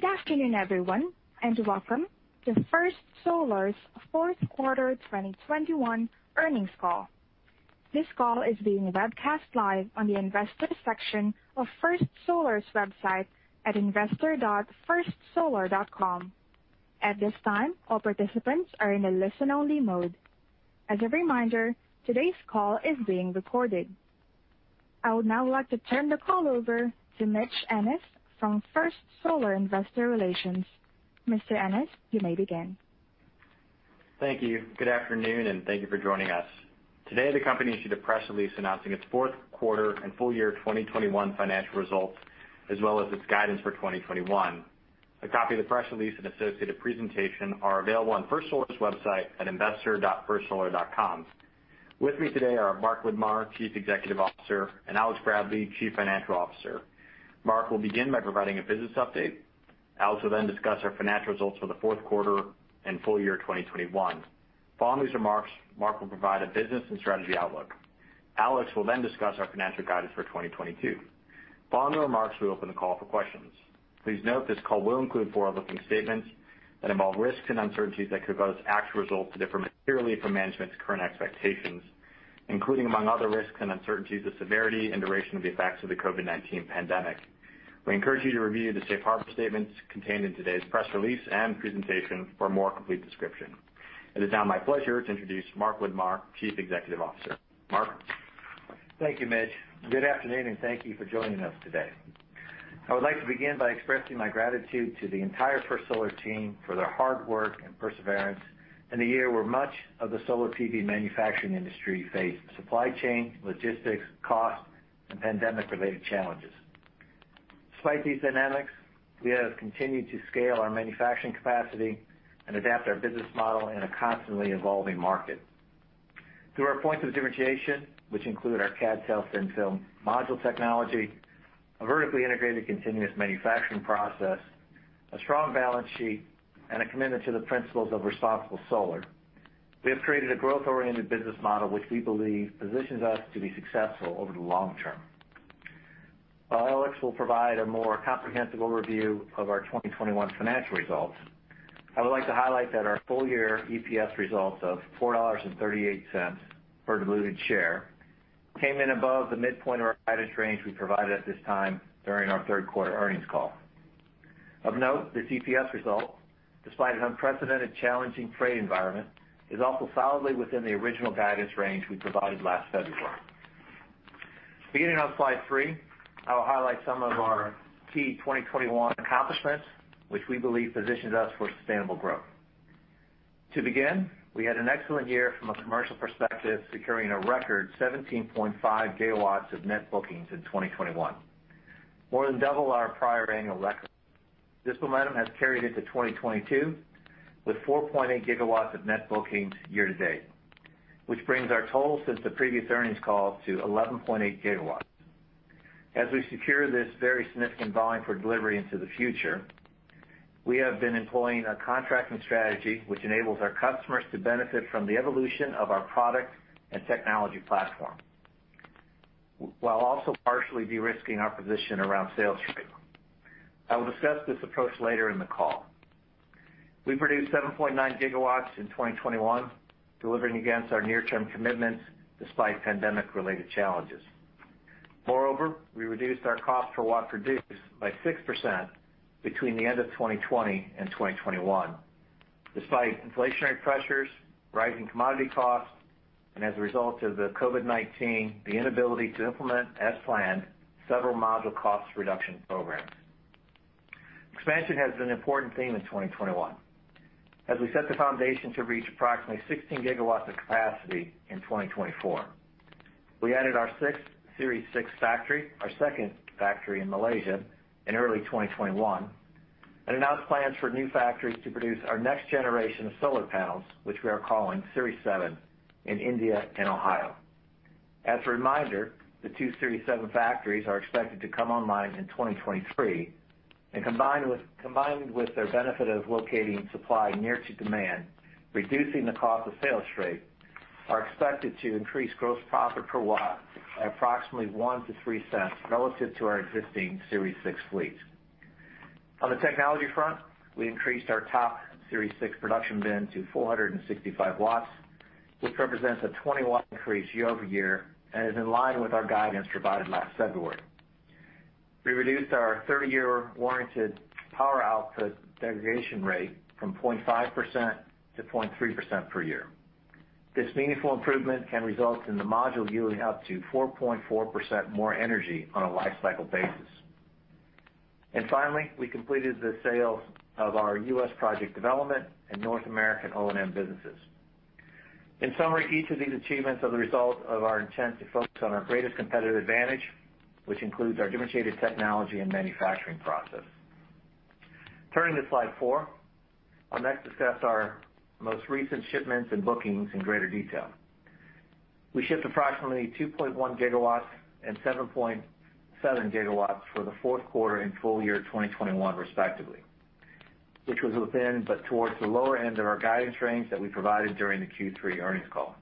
Good afternoon, everyone, and Welcome to First Solar's Fourth quarter 2021 earnings call. This call is being webcast live on the investor section of First Solar's website at investor.firstsolar.com. At this time, all participants are in a listen-only mode. As a reminder, today's call is being recorded. I would now like to turn the call over to Mitch Ennis from First Solar Investor Relations. Mr. Ennis, you may begin. Thank you. Good afternoon, and thank you for joining us. Today, the company issued a press release announcing its fourth quarter and full year 2021 financial results, as well as its guidance for 2021. A copy of the press release and associated presentation are available on First Solar's website at investor.firstsolar.com. With me today are Mark Widmar, Chief Executive Officer, and Alex Bradley, Chief Financial Officer. Mark will begin by providing a business update. Alex will then discuss our financial results for the fourth quarter and full year 2021. Following these remarks, Mark will provide a business and strategy outlook. Alex will then discuss our financial guidance for 2022. Following the remarks, we open the call for questions. Please note this call will include forward-looking statements that involve risks and uncertainties that could cause actual results to differ materially from management's current expectations, including, among other risks and uncertainties, the severity and duration of the effects of the COVID-19 pandemic. We encourage you to review the safe harbor statements contained in today's press release and presentation for a more complete description. It is now my pleasure to introduce Mark Widmar, Chief Executive Officer. Mark? Thank you, Mitch. Good afternoon, and thank you for joining us today. I would like to begin by expressing my gratitude to the entire First Solar team for their hard work and perseverance in a year where much of the solar PV manufacturing industry faced supply chain, logistics, cost, and pandemic-related challenges. Despite these dynamics, we have continued to scale our manufacturing capacity and adapt our business model in a constantly evolving market. Through our points of differentiation, which include our CdTe thin film module technology, a vertically integrated continuous manufacturing process, a strong balance sheet, and a commitment to the principles of responsible solar, we have created a growth-oriented business model which we believe positions us to be successful over the long term. While Alex will provide a more comprehensive overview of our 2021 financial results, I would like to highlight that our full year EPS results of $4.38 per diluted share came in above the midpoint of our guidance range we provided at this time during our third quarter earnings call. Of note, this EPS result, despite an unprecedented challenging trade environment, is also solidly within the original guidance range we provided last February. Beginning on slide 3, I will highlight some of our key 2021 accomplishments which we believe positions us for sustainable growth. To begin, we had an excellent year from a commercial perspective, securing a record 17.5 GW of net bookings in 2021, more than double our prior annual record. This momentum has carried into 2022 with 4.8 GW of net bookings year to date, which brings our total since the previous earnings call to 11.8 GW. As we secure this very significant volume for delivery into the future, we have been employing a contracting strategy which enables our customers to benefit from the evolution of our product and technology platform, while also partially de-risking our position around sales rate. I will discuss this approach later in the call. We produced 7.9 GW in 2021, delivering against our near-term commitments despite pandemic-related challenges. Moreover, we reduced our cost per watt produced by 6% between the end of 2020 and 2021, despite inflationary pressures, rising commodity costs, and as a result of the COVID-19, the inability to implement as planned several module cost reduction programs. Expansion has been an important theme in 2021 as we set the foundation to reach approximately 16 GW of capacity in 2024. We added our sixth Series 6 factory, our second factory in Malaysia, in early 2021 and announced plans for new factories to produce our next generation of solar panels, which we are calling Series 7, in India and Ohio. As a reminder, the two Series 7 factories are expected to come online in 2023 and combined with their benefit of locating supply near to demand, reducing the cost of sales rate, are expected to increase gross profit per watt at approximately $0.01-$0.03 relative to our existing Series 6 fleet. On the technology front, we increased our top Series 6 production bin to 465 W, which represents a 20 W increase year-over-year and is in line with our guidance provided last February. We reduced our 30-year warranted power output degradation rate from 0.5% to 0.3% per year. This meaningful improvement can result in the module yielding up to 4.4% more energy on a life cycle basis. We completed the sale of our U.S. project development and North American O&M businesses. In summary, each of these achievements are the result of our intent to focus on our greatest competitive advantage, which includes our differentiated technology and manufacturing process. Turning to slide 4, I'll next discuss our most recent shipments and bookings in greater detail. We shipped approximately 2.1 GW and 7.7 GW for the fourth quarter and full year 2021 respectively. Which was within, but towards the lower end of our guidance range that we provided during the Q3 earnings call.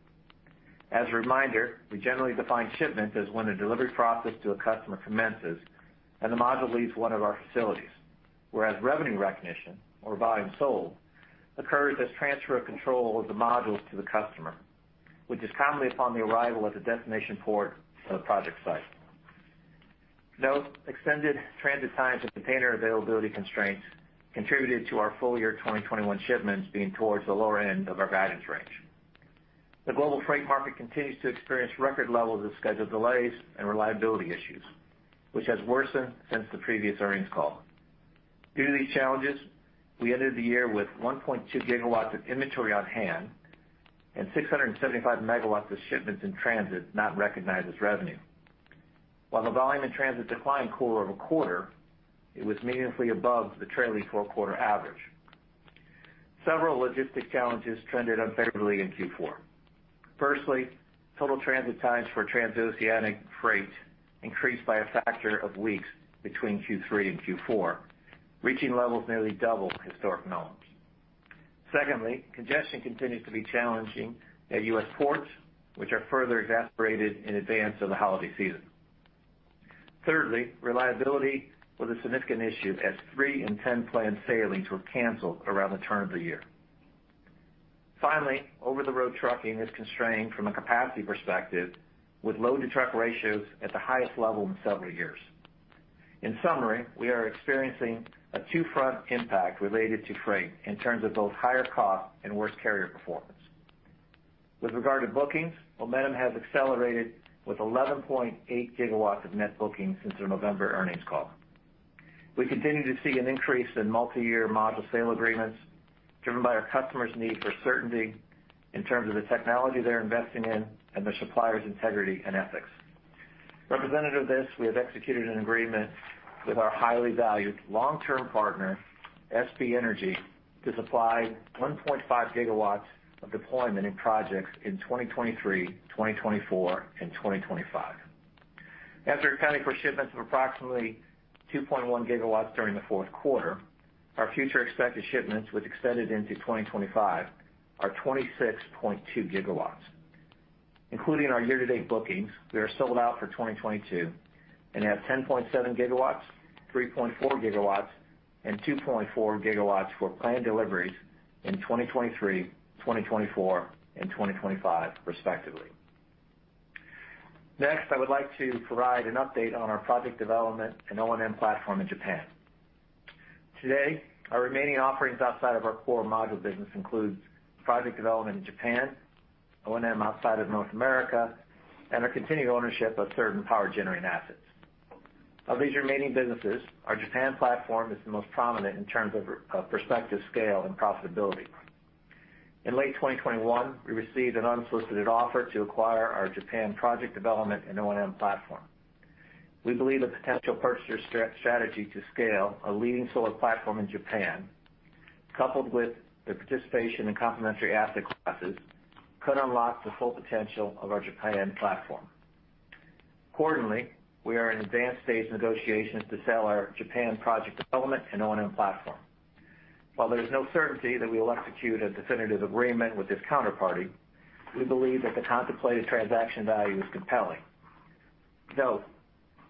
As a reminder, we generally define shipments as when a delivery process to a customer commences and the module leaves one of our facilities. Whereas revenue recognition or volume sold occurs as transfer of control of the modules to the customer, which is commonly upon the arrival at the destination port of the project site. Note, extended transit times and container availability constraints contributed to our full year 2021 shipments being towards the lower end of our guidance range. The global freight market continues to experience record levels of scheduled delays and reliability issues, which has worsened since the previous earnings call. Due to these challenges, we entered the year with 1.2 GW of inventory on hand and 675 MW of shipments in transit, not recognized as revenue. While the volume in transit declined quarter-over-quarter, it was meaningfully above the trailing 4-quarter average. Several logistic challenges trended unfavorably in Q4. Firstly, total transit times for transoceanic freight increased by a matter of weeks between Q3 and Q4, reaching levels nearly double historic norms. Secondly, congestion continues to be challenging at U.S. ports, which are further exacerbated in advance of the holiday season. Thirdly, reliability was a significant issue as 3 in 10 planned sailings were canceled around the turn of the year. Finally, over-the-road trucking is constrained from a capacity perspective with load-to-truck ratios at the highest level in several years. In summary, we are experiencing a two-front impact related to freight in terms of both higher cost and worse carrier performance. With regard to bookings, momentum has accelerated with 11.8 GW of net bookings since the November earnings call. We continue to see an increase in multi-year module sale agreements driven by our customers' need for certainty in terms of the technology they're investing in and their suppliers' integrity and ethics. Representative of this, we have executed an agreement with our highly valued long-term partner, SB Energy, to supply 1.5 GW of deployment in projects in 2023, 2024 and 2025. After accounting for shipments of approximately 2.1 GW during the fourth quarter, our future expected shipments, which extended into 2025, are 26.2 GW. Including our year-to-date bookings, we are sold out for 2022 and have 10.7 GW, 3.4 GW, and 2.4 GW for planned deliveries in 2023, 2024, and 2025 respectively. Next, I would like to provide an update on our project development and O&M platform in Japan. Today, our remaining offerings outside of our core module business includes project development in Japan, O&M outside of North America, and our continued ownership of certain power generating assets. Of these remaining businesses, our Japan platform is the most prominent in terms of prospective scale and profitability. In late 2021, we received an unsolicited offer to acquire our Japan project development and O&M platform. We believe the potential purchaser strategy to scale a leading solar platform in Japan, coupled with the participation in complementary asset classes, could unlock the full potential of our Japan platform. Accordingly, we are in advanced stage negotiations to sell our Japan project development and O&M platform. While there is no certainty that we will execute a definitive agreement with this counterparty, we believe that the contemplated transaction value is compelling. Note,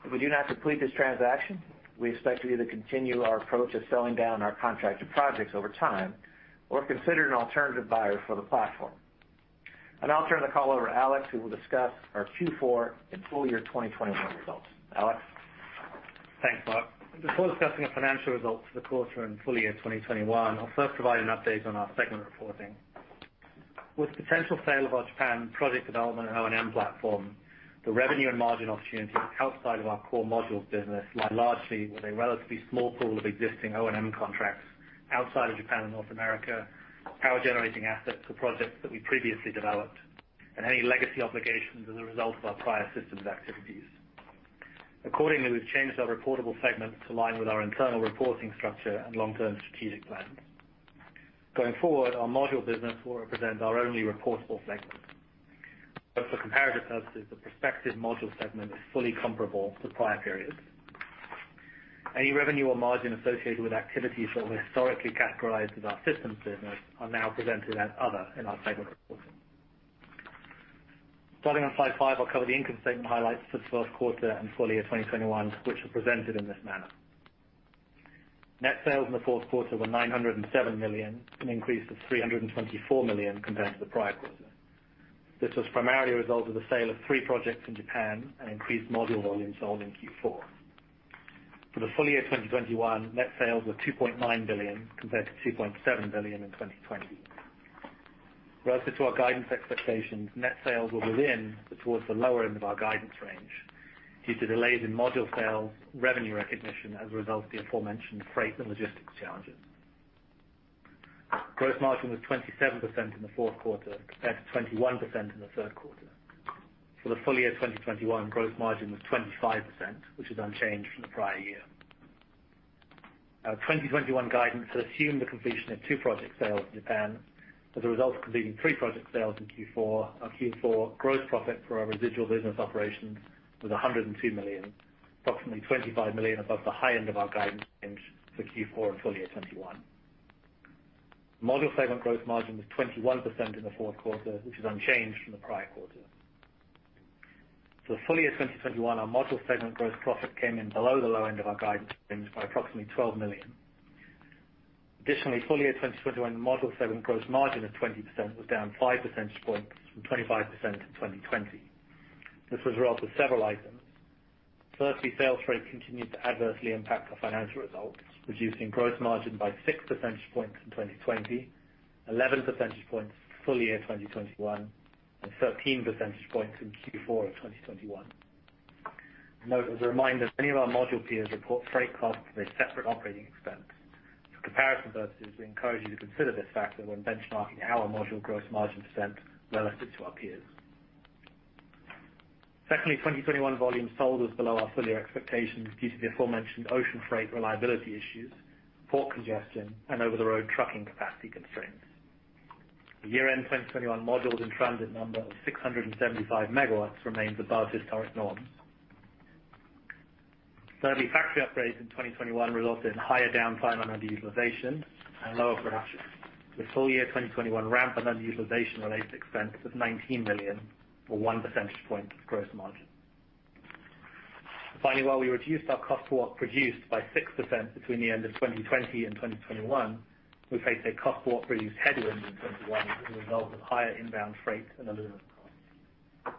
if we do not complete this transaction, we expect to either continue our approach of selling down our contracted projects over time or consider an alternative buyer for the platform. I'll turn the call over to Alex, who will discuss our Q4 and full year 2021 results. Alex. Thanks, Mark. Before discussing our financial results for the quarter and full year 2021, I'll first provide an update on our segment reporting. With the potential sale of our Japan project development and O&M platform, the revenue and margin opportunities outside of our core modules business lie largely with a relatively small pool of existing O&M contracts outside of Japan and North America, power generating assets for projects that we previously developed, and any legacy obligations as a result of our prior systems activities. Accordingly, we've changed our reportable segments to align with our internal reporting structure and long-term strategic plans. Going forward, our module business will represent our only reportable segment. For comparative purposes, the prospective module segment is fully comparable to prior periods. Any revenue or margin associated with activities that were historically categorized as our systems business are now presented as other in our segment reporting. Starting on slide five, I'll cover the income statement highlights for the fourth quarter and full year 2021, which are presented in this manner. Net sales in the fourth quarter were $907 million, an increase of $324 million compared to the prior quarter. This was primarily a result of the sale of three projects in Japan and increased module volume sold in Q4. For the full year 2021, net sales were $2.9 billion compared to $3.7 billion in 2020. Relative to our guidance expectations, net sales were within but towards the lower end of our guidance range due to delays in module sales, revenue recognition as a result of the aforementioned freight and logistics challenges. Gross margin was 27% in the fourth quarter compared to 21% in the third quarter. For the full year 2021, gross margin was 25%, which is unchanged from the prior year. Our 2021 guidance had assumed the completion of two project sales in Japan. As a result of completing three project sales in Q4, our Q4 gross profit for our residual business operations was $102 million, approximately $25 million above the high end of our guidance range for Q4 and full year 2021. Module segment gross margin was 21% in the fourth quarter, which is unchanged from the prior quarter. Full year 2021, our module segment gross profit came in below the low end of our guidance range by approximately $12 million. Additionally, full year 2021 module segment gross margin of 20% was down 5 percentage points from 25% in 2020. This was a result of several items. Firstly, sales freight continued to adversely impact our financial results, reducing gross margin by 6 percentage points in 2020, 11 percentage points in full year 2021, and 13 percentage points in Q4 of 2021. Note, as a reminder, many of our module peers report freight costs as a separate operating expense. For comparison purposes, we encourage you to consider this factor when benchmarking our module gross margin % relative to our peers. Secondly, 2021 volume sold was below our full year expectations due to the aforementioned ocean freight reliability issues, port congestion, and over-the-road trucking capacity constraints. The year-end 2021 modules in transit number of 675 MW remains above historic norms. Thirdly, factory upgrades in 2021 resulted in higher downtime and underutilization and lower production, with full year 2021 ramp and underutilization-related expenses of $19 million, or 1% point of gross margin. Finally, while we reduced our cost per watt produced by 6% between the end of 2020 and 2021, we faced a cost per watt produced headwind in 2021 as a result of higher inbound freight and aluminum costs.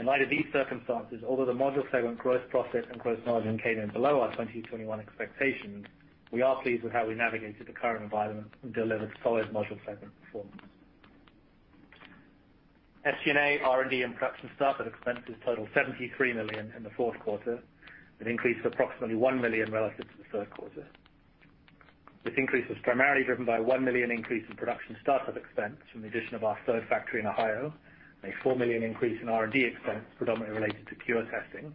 In light of these circumstances, although the module segment gross profit and gross margin came in below our 2021 expectations, we are pleased with how we navigated the current environment and delivered solid module segment performance. SG&A, R&D, and production startup expenses totaled $73 million in the fourth quarter, an increase of approximately $1 million relative to the third quarter. This increase was primarily driven by a $1 million increase in production startup expense from the addition of our third factory in Ohio, and a $4 million increase in R&D expense predominantly related to CuRe testing,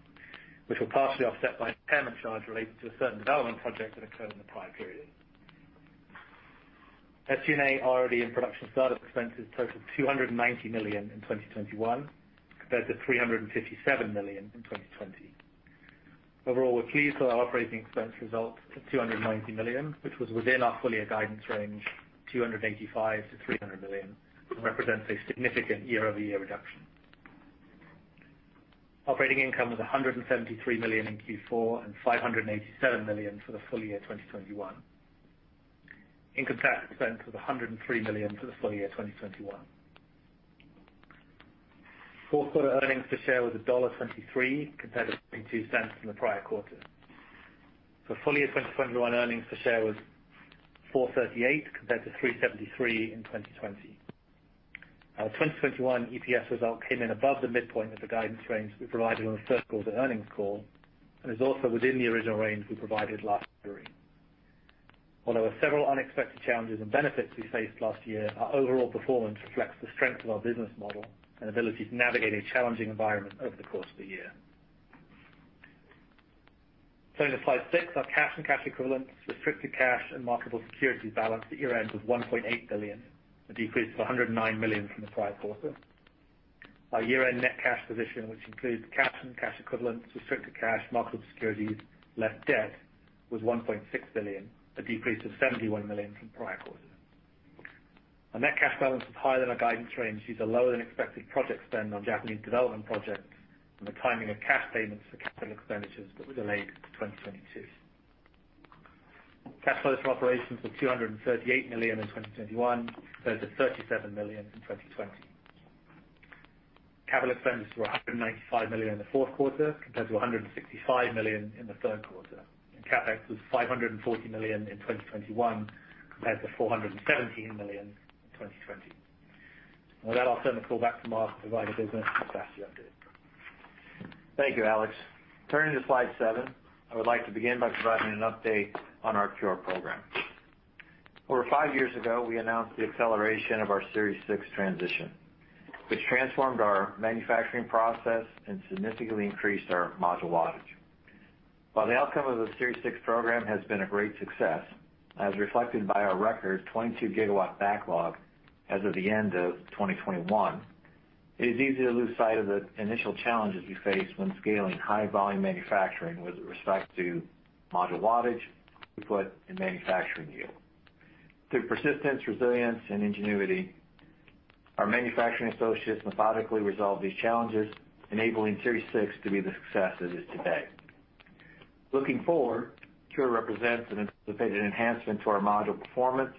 which were partially offset by an impairment charge related to a certain development project that occurred in the prior period. SG&A, R&D, and production startup expenses totaled $290 million in 2021 compared to $357 million in 2020. Overall, we're pleased with our operating expense results at $290 million, which was within our full year guidance range, $285 million-$300 million, and represents a significant year-over-year reduction. Operating income was $173 million in Q4 and $587 million for the full year 2021. Income tax expense was $103 million for the full year 2021. Fourth quarter earnings per share was $1.23 compared to $0.22 in the prior quarter. For full year 2021, earnings per share was $4.38 compared to $3.73 in 2020. Our 2021 EPS result came in above the midpoint of the guidance range we provided on the first quarter earnings call, and is also within the original range we provided last February. While there were several unexpected challenges and benefits we faced last year, our overall performance reflects the strength of our business model and ability to navigate a challenging environment over the course of the year. Turning to slide 6, our cash and cash equivalents, restricted cash, and marketable securities balance at year-end was $1.8 billion, a decrease of $109 million from the prior quarter. Our year-end net cash position, which includes cash and cash equivalents, restricted cash, marketable securities, less debt, was $1.6 billion, a decrease of $71 million from prior quarter. Our net cash balance was higher than our guidance range due to lower than expected project spend on Japanese development projects and the timing of cash payments for capital expenditures that were delayed to 2022. Cash flow from operations was $238 million in 2021 compared to $37 million in 2020. Capital expenditures were $195 million in the fourth quarter compared to $165 million in the third quarter. CapEx was $540 million in 2021 compared to $417 million in 2020. With that, I'll turn the call back to Mark to provide a business and financial update. Thank you, Alex. Turning to slide 7. I would like to begin by providing an update on our CuRe program. Over five years ago, we announced the acceleration of our Series 6 transition, which transformed our manufacturing process and significantly increased our module wattage. While the outcome of the Series 6 program has been a great success, as reflected by our record 22 GW backlog as of the end of 2021, it is easy to lose sight of the initial challenges we face when scaling high volume manufacturing with respect to module wattage, input, and manufacturing yield. Through persistence, resilience, and ingenuity, our manufacturing associates methodically resolved these challenges, enabling Series 6 to be the success it is today. Looking forward, CuRe represents an anticipated enhancement to our module performance,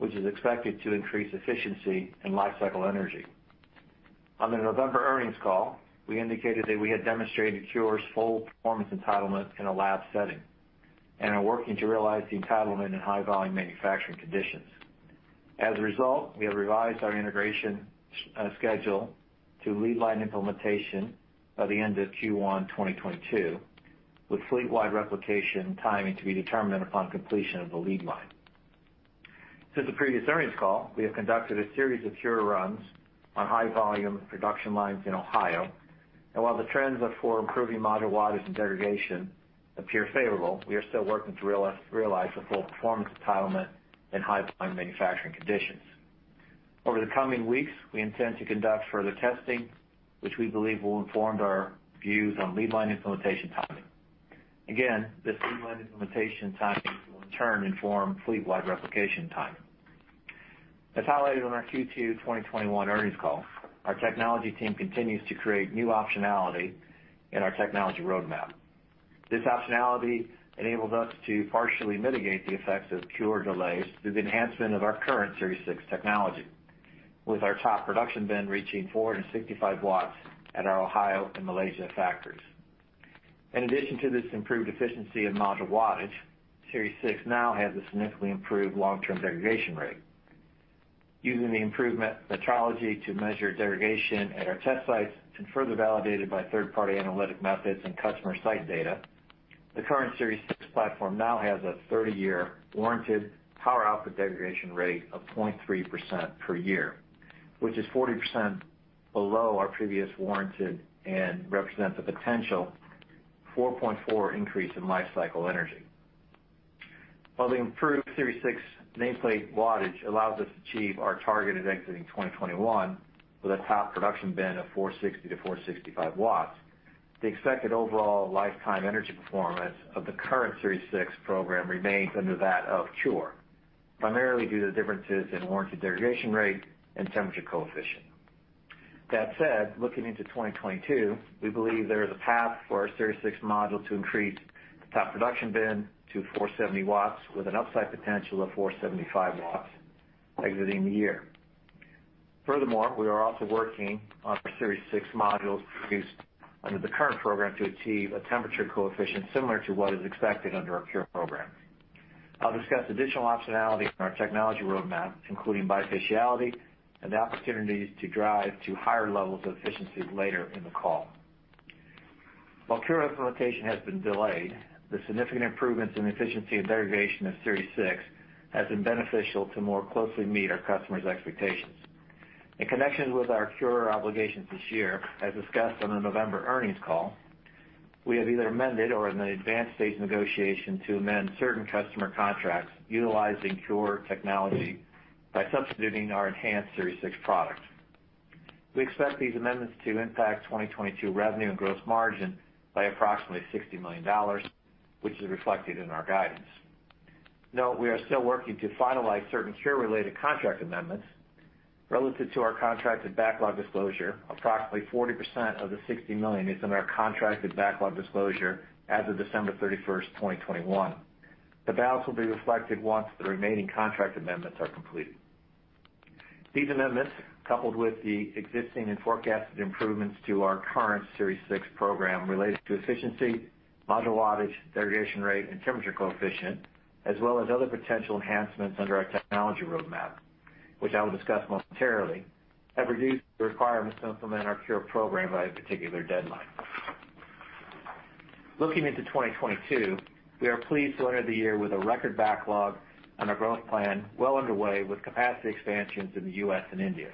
which is expected to increase efficiency and lifecycle energy. On the November earnings call, we indicated that we had demonstrated CuRe's full performance entitlement in a lab setting, and are working to realize the entitlement in high volume manufacturing conditions. As a result, we have revised our integration schedule to lead line implementation by the end of Q1 2022, with fleet-wide replication timing to be determined upon completion of the lead line. Since the previous earnings call, we have conducted a series of CuRe runs on high volume production lines in Ohio. While the trends are for improving module wattage and degradation appear favorable, we are still working to realize the full performance entitlement in high volume manufacturing conditions. Over the coming weeks, we intend to conduct further testing, which we believe will inform our views on lead line implementation timing. Again, this lead line implementation timing will in turn inform fleet-wide replication timing. As highlighted on our Q2 2021 earnings call, our technology team continues to create new optionality in our technology roadmap. This optionality enables us to partially mitigate the effects of CuRe delays through the enhancement of our current Series 6 technology, with our top production bin reaching 465 W at our Ohio and Malaysia factories. In addition to this improved efficiency in module wattage, Series 6 now has a significantly improved long-term degradation rate. Using the improvement metrology to measure degradation at our test sites and further validated by third-party analytic methods and customer site data, the current Series 6 platform now has a 30-year warranted power output degradation rate of 0.3% per year, which is 40% below our previous warranted and represents a potential 4.4 increase in life cycle energy. While the improved Series 6 nameplate wattage allows us to achieve our target at exiting 2021 with a top production bin of 460 W-465 W, the expected overall lifetime energy performance of the current Series 6 program remains under that of CuRe, primarily due to the differences in warranted degradation rate and temperature coefficient. That said, looking into 2022, we believe there is a path for our Series 6 module to increase the top production bin to 470 W with an upside potential of 475 W exiting the year. Furthermore, we are also working on our Series 6 modules produced under the current program to achieve a temperature coefficient similar to what is expected under our CuRe program. I'll discuss additional optionality on our technology roadmap, including bifaciality and the opportunities to drive to higher levels of efficiency later in the call. While CuRe implementation has been delayed, the significant improvements in efficiency and degradation of Series Six has been beneficial to more closely meet our customers' expectations. In connection with our CuRe obligations this year, as discussed on the November earnings call, we have either amended or are in an advanced stage of negotiation to amend certain customer contracts utilizing CuRe technology by substituting our enhanced Series Six product. We expect these amendments to impact 2022 revenue and gross margin by approximately $60 million, which is reflected in our guidance. Note, we are still working to finalize certain CuRe-related contract amendments. Relative to our contracted backlog disclosure, approximately 40% of the $60 million is in our contracted backlog disclosure as of December 31, 2021. The balance will be reflected once the remaining contract amendments are completed. These amendments, coupled with the existing and forecasted improvements to our current Series 6 program related to efficiency, module wattage, degradation rate, and temperature coefficient, as well as other potential enhancements under our technology roadmap, which I will discuss momentarily, have reduced the requirements to implement our CuRe program by a particular deadline. Looking into 2022, we are pleased to enter the year with a record backlog and our growth plan well underway with capacity expansions in the U.S. and India.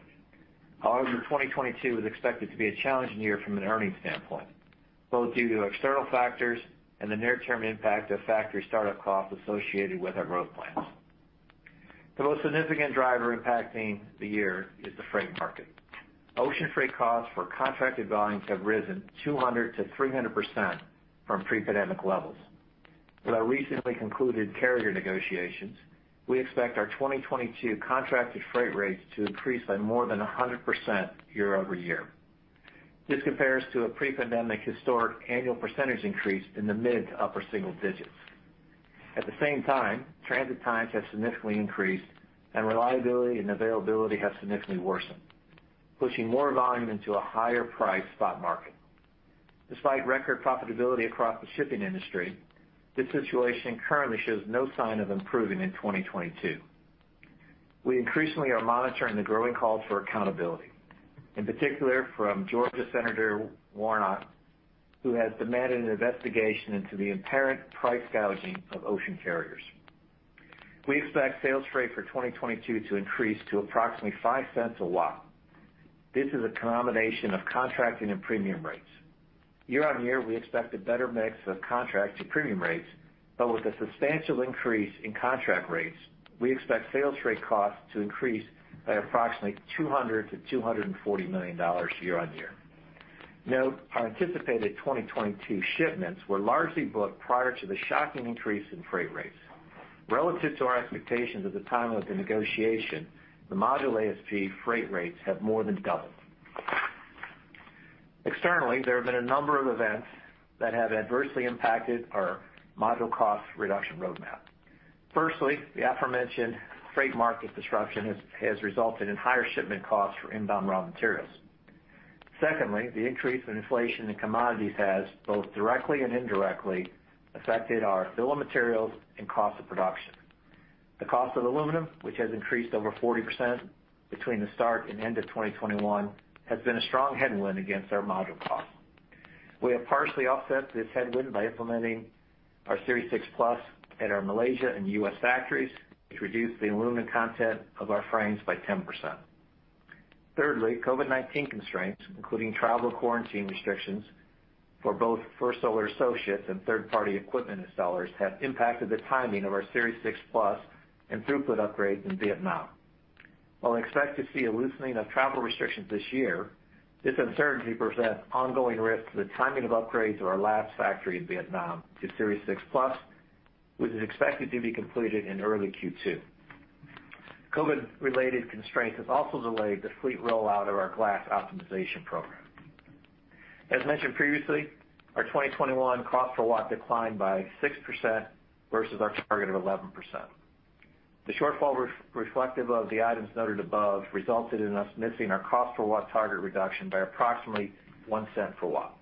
However, 2022 is expected to be a challenging year from an earnings standpoint, both due to external factors and the near-term impact of factory startup costs associated with our growth plans. The most significant driver impacting the year is the freight market. Ocean freight costs for contracted volumes have risen 200%-300% from pre-pandemic levels. With our recently concluded carrier negotiations, we expect our 2022 contracted freight rates to increase by more than 100% year-over-year. This compares to a pre-pandemic historic annual % increase in the mid- to upper single digits. At the same time, transit times have significantly increased and reliability and availability have significantly worsened, pushing more volume into a higher priced spot market. Despite record profitability across the shipping industry, this situation currently shows no sign of improving in 2022. We increasingly are monitoring the growing calls for accountability, in particular from Georgia Senator Warnock, who has demanded an investigation into the apparent price gouging of ocean carriers. We expect sales freight for 2022 to increase to approximately $0.05 a watt. This is a combination of contracting and premium rates. Year on year, we expect a better mix of contract to premium rates, but with a substantial increase in contract rates, we expect sales freight costs to increase by approximately $200 million-$240 million year on year. Note, our anticipated 2022 shipments were largely booked prior to the shocking increase in freight rates. Relative to our expectations at the time of the negotiation, the module ASP freight rates have more than doubled. Externally, there have been a number of events that have adversely impacted our module cost reduction roadmap. Firstly, the aforementioned freight market disruption has resulted in higher shipment costs for inbound raw materials. Secondly, the increase in inflation in commodities has both directly and indirectly affected our filler materials and cost of production. The cost of aluminum, which has increased over 40% between the start and end of 2021, has been a strong headwind against our module cost. We have partially offset this headwind by implementing our Series 6 Plus at our Malaysia and U.S. factories, which reduced the aluminum content of our frames by 10%. Thirdly, COVID-19 constraints, including travel quarantine restrictions for both First Solar associates and third-party equipment sellers, have impacted the timing of our Series 6 Plus and throughput upgrades in Vietnam. While we expect to see a loosening of travel restrictions this year, this uncertainty presents ongoing risks to the timing of upgrades of our last factory in Vietnam to Series 6 Plus, which is expected to be completed in early Q2. COVID-related constraints have also delayed the fleet rollout of our glass optimization program. As mentioned previously, our 2021 cost per watt declined by 6% versus our target of 11%. The shortfall reflective of the items noted above resulted in us missing our cost per watt target reduction by approximately $0.01 per watt.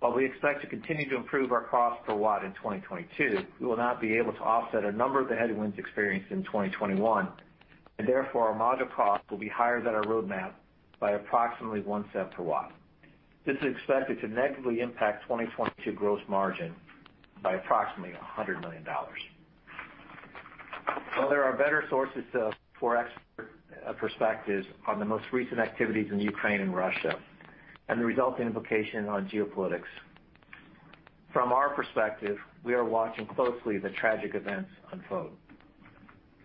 While we expect to continue to improve our cost per watt in 2022, we will not be able to offset a number of the headwinds experienced in 2021, and therefore, our module cost will be higher than our roadmap by approximately $0.01 per watt. This is expected to negatively impact 2022 gross margin by approximately $100 million. While there are better sources for expert perspectives on the most recent activities in Ukraine and Russia and the resulting implications on geopolitics, from our perspective, we are watching closely the tragic events unfold.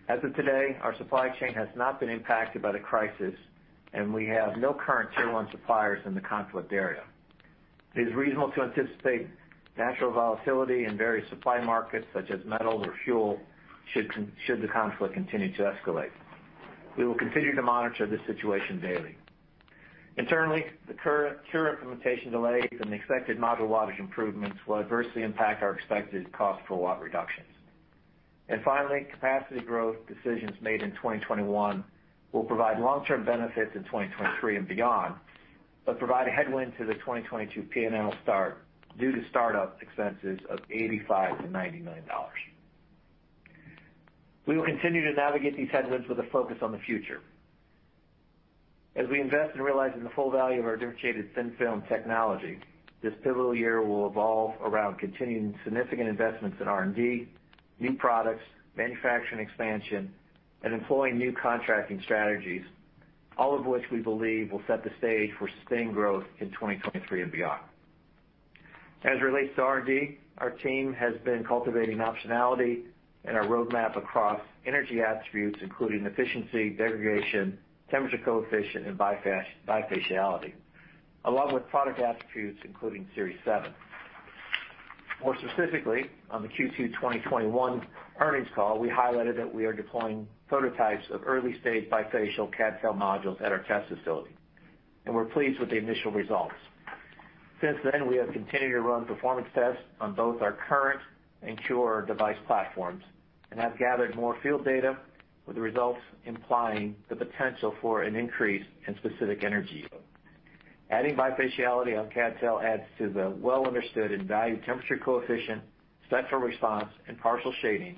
As of today, our supply chain has not been impacted by the crisis, and we have no current tier one suppliers in the conflict area. It is reasonable to anticipate natural volatility in various supply markets, such as metal or fuel, should the conflict continue to escalate. We will continue to monitor the situation daily. Internally, the CuRe implementation delays and the expected module wattage improvements will adversely impact our expected cost per watt reductions. Finally, capacity growth decisions made in 2021 will provide long-term benefits in 2023 and beyond, but provide a headwind to the 2022 P&L start due to start-up expenses of $85 million-$90 million. We will continue to navigate these headwinds with a focus on the future. As we invest in realizing the full value of our differentiated thin-film technology, this pivotal year will evolve around continuing significant investments in R&D, new products, manufacturing expansion, and employing new contracting strategies, all of which we believe will set the stage for sustained growth in 2023 and beyond. As it relates to R&D, our team has been cultivating optionality in our roadmap across energy attributes, including efficiency, degradation, temperature coefficient, and bifaciality, along with product attributes including Series 7. More specifically, on the Q2 2021 earnings call, we highlighted that we are deploying prototypes of early-stage bifacial CdTe modules at our test facility, and we're pleased with the initial results. Since then, we have continued to run performance tests on both our current and CuRe device platforms and have gathered more field data with the results implying the potential for an increase in specific energy yield. Adding bifaciality on CdTe adds to the well-understood and valued temperature coefficient, spectral response, and partial shading,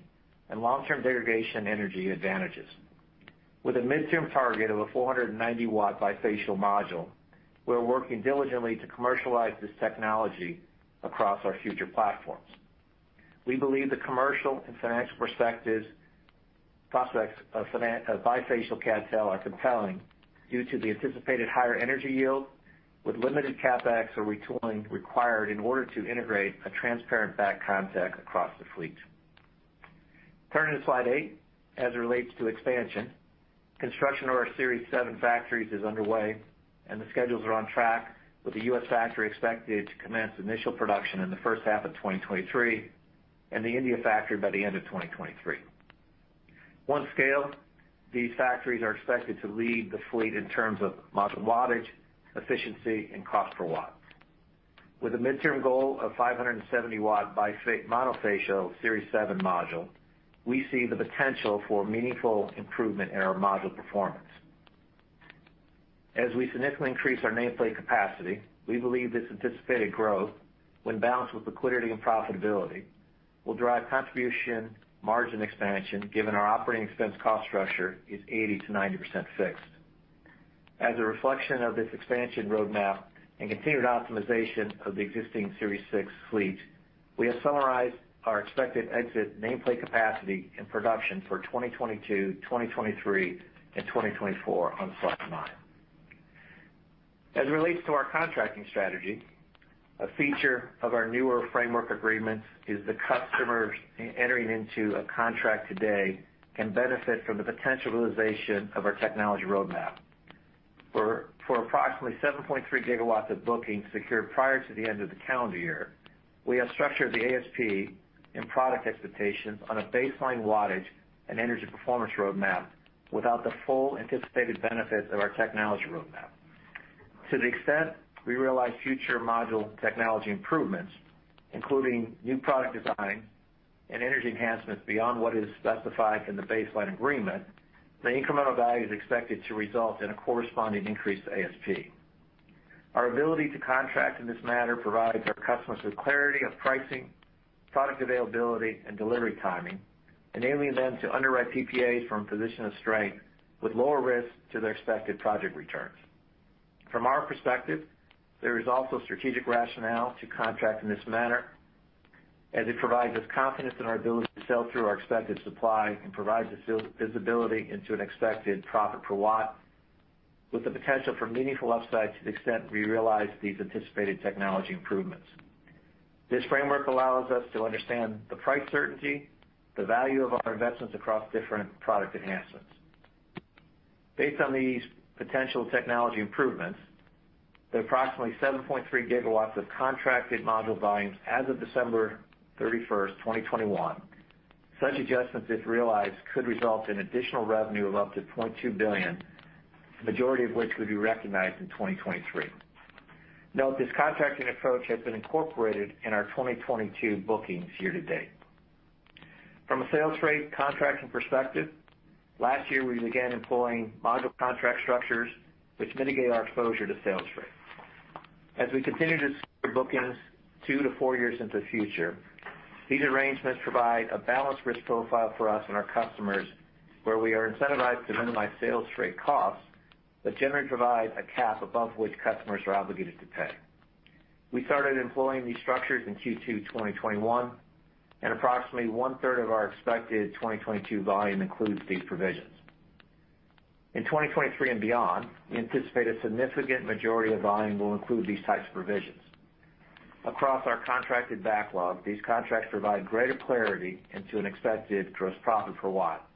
and long-term degradation energy advantages. With a mid-term target of a 490-watt bifacial module, we are working diligently to commercialize this technology across our future platforms. We believe the commercial and financial prospects of bifacial CdTe are compelling due to the anticipated higher energy yield with limited CapEx or retooling required in order to integrate a transparent back contact across the fleet. Turning to slide 8, as it relates to expansion, construction of our Series 7 factories is underway, and the schedules are on track with the U.S. factory expected to commence initial production in the first half of 2023 and the India factory by the end of 2023. Once scaled, these factories are expected to lead the fleet in terms of module wattage, efficiency, and cost per watt. With a midterm goal of 570 W Monofacial Series 7 module, we see the potential for meaningful improvement in our module performance. As we significantly increase our nameplate capacity, we believe this anticipated growth, when balanced with liquidity and profitability, will drive contribution margin expansion given our operating expense cost structure is 80%-90% fixed. As a reflection of this expansion roadmap and continued optimization of the existing Series 6 fleet, we have summarized our expected exit nameplate capacity and production for 2022, 2023, and 2024 on slide 9. As it relates to our contracting strategy, a feature of our newer framework agreements is the customers entering into a contract today can benefit from the potential realization of our technology roadmap. For approximately 7.3 GW of bookings secured prior to the end of the calendar year, we have structured the ASP and product expectations on a baseline wattage and energy performance roadmap without the full anticipated benefits of our technology roadmap. To the extent we realize future module technology improvements, including new product design and energy enhancements beyond what is specified in the baseline agreement, the incremental value is expected to result in a corresponding increase to ASP. Our ability to contract in this manner provides our customers with clarity of pricing, product availability, and delivery timing, enabling them to underwrite PPAs from a position of strength with lower risk to their expected project return. From our perspective, there is also strategic rationale to contract in this manner, as it provides us confidence in our ability to sell through our expected supply and provides us visibility into an expected profit per watt, with the potential for meaningful upside to the extent we realize these anticipated technology improvements. This framework allows us to understand the price certainty, the value of our investments across different product enhancements. Based on these potential technology improvements, the approximately 7.3 GW of contracted module volumes as of December 31, 2021, such adjustments, if realized, could result in additional revenue of up to $0.2 billion, the majority of which would be recognized in 2023. Note, this contracting approach has been incorporated in our 2022 bookings year to date. From a sales rate contracting perspective, last year, we began employing module contract structures which mitigate our exposure to sales rate. As we continue to secure bookings 2-4 years into the future, these arrangements provide a balanced risk profile for us and our customers, where we are incentivized to minimize sales rate costs, but generally provide a cap above which customers are obligated to pay. We started employing these structures in Q2 2021, and approximately one-third of our expected 2022 volume includes these provisions. In 2023 and beyond, we anticipate a significant majority of volume will include these types of provisions. Across our contracted backlog, these contracts provide greater clarity into an expected gross profit per watt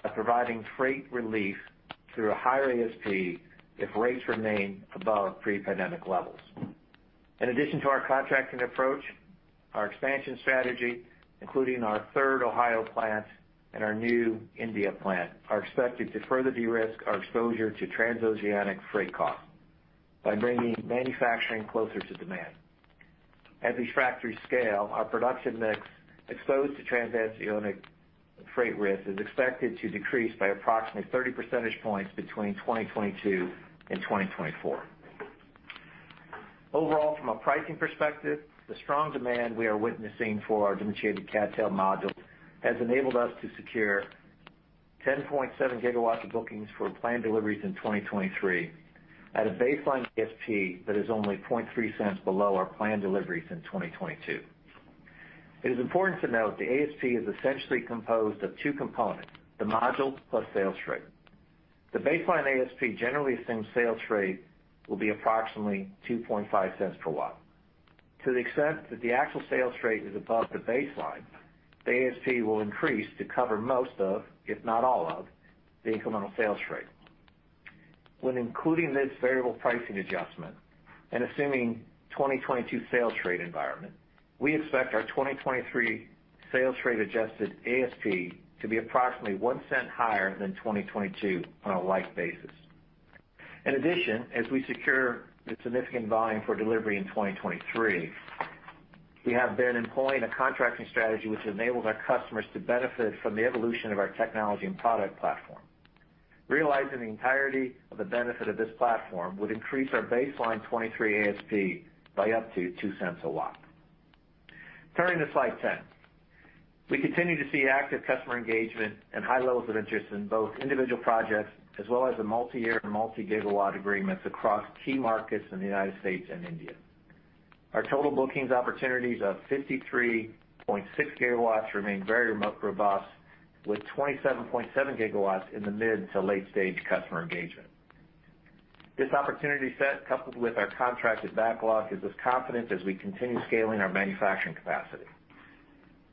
by providing freight relief through a higher ASP if rates remain above pre-pandemic levels. In addition to our contracting approach, our expansion strategy, including our third Ohio plant and our new India plant, are expected to further de-risk our exposure to transoceanic freight costs by bringing manufacturing closer to demand. As these factories scale, our production mix exposed to transoceanic freight risk is expected to decrease by approximately 30 percentage points between 2022 and 2024. Overall, from a pricing perspective, the strong demand we are witnessing for our differentiated CdTe module has enabled us to secure 10.7 GW of bookings for planned deliveries in 2023 at a baseline ASP that is only $0.003 cents below our planned deliveries in 2022. It is important to note the ASP is essentially composed of two components, the module plus sales rate. The baseline ASP generally assumes sales rate will be approximately $0.025 cents per watt. To the extent that the actual sales rate is above the baseline, the ASP will increase to cover most of, if not all of, the incremental sales rate. When including this variable pricing adjustment and assuming 2022 sales rate environment, we expect our 2023 sales rate adjusted ASP to be approximately $0.01 cent higher than 2022 on a like basis. In addition, as we secure the significant volume for delivery in 2023, we have been employing a contracting strategy which enables our customers to benefit from the evolution of our technology and product platform. Realizing the entirety of the benefit of this platform would increase our baseline 2023 ASP by up to $0.02/W. Turning to slide 10. We continue to see active customer engagement and high levels of interest in both individual projects as well as the multi-year and multi-gigawatt agreements across key markets in the United States and India. Our total bookings opportunities of 53.6 GW remain very robust, with 27.7 GW in the mid- to late-stage customer engagement. This opportunity set, coupled with our contracted backlog, gives us confidence as we continue scaling our manufacturing capacity.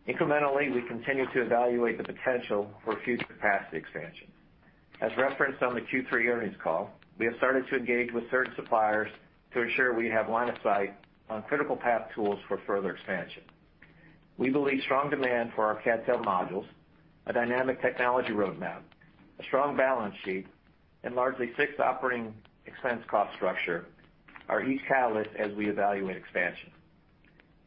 Incrementally, we continue to evaluate the potential for future capacity expansion. As referenced on the Q3 earnings call, we have started to engage with certain suppliers to ensure we have line of sight on critical path tools for further expansion. We believe strong demand for our CdTe modules, a dynamic technology roadmap, a strong balance sheet, and largely fixed operating expense cost structure are each catalysts as we evaluate expansion.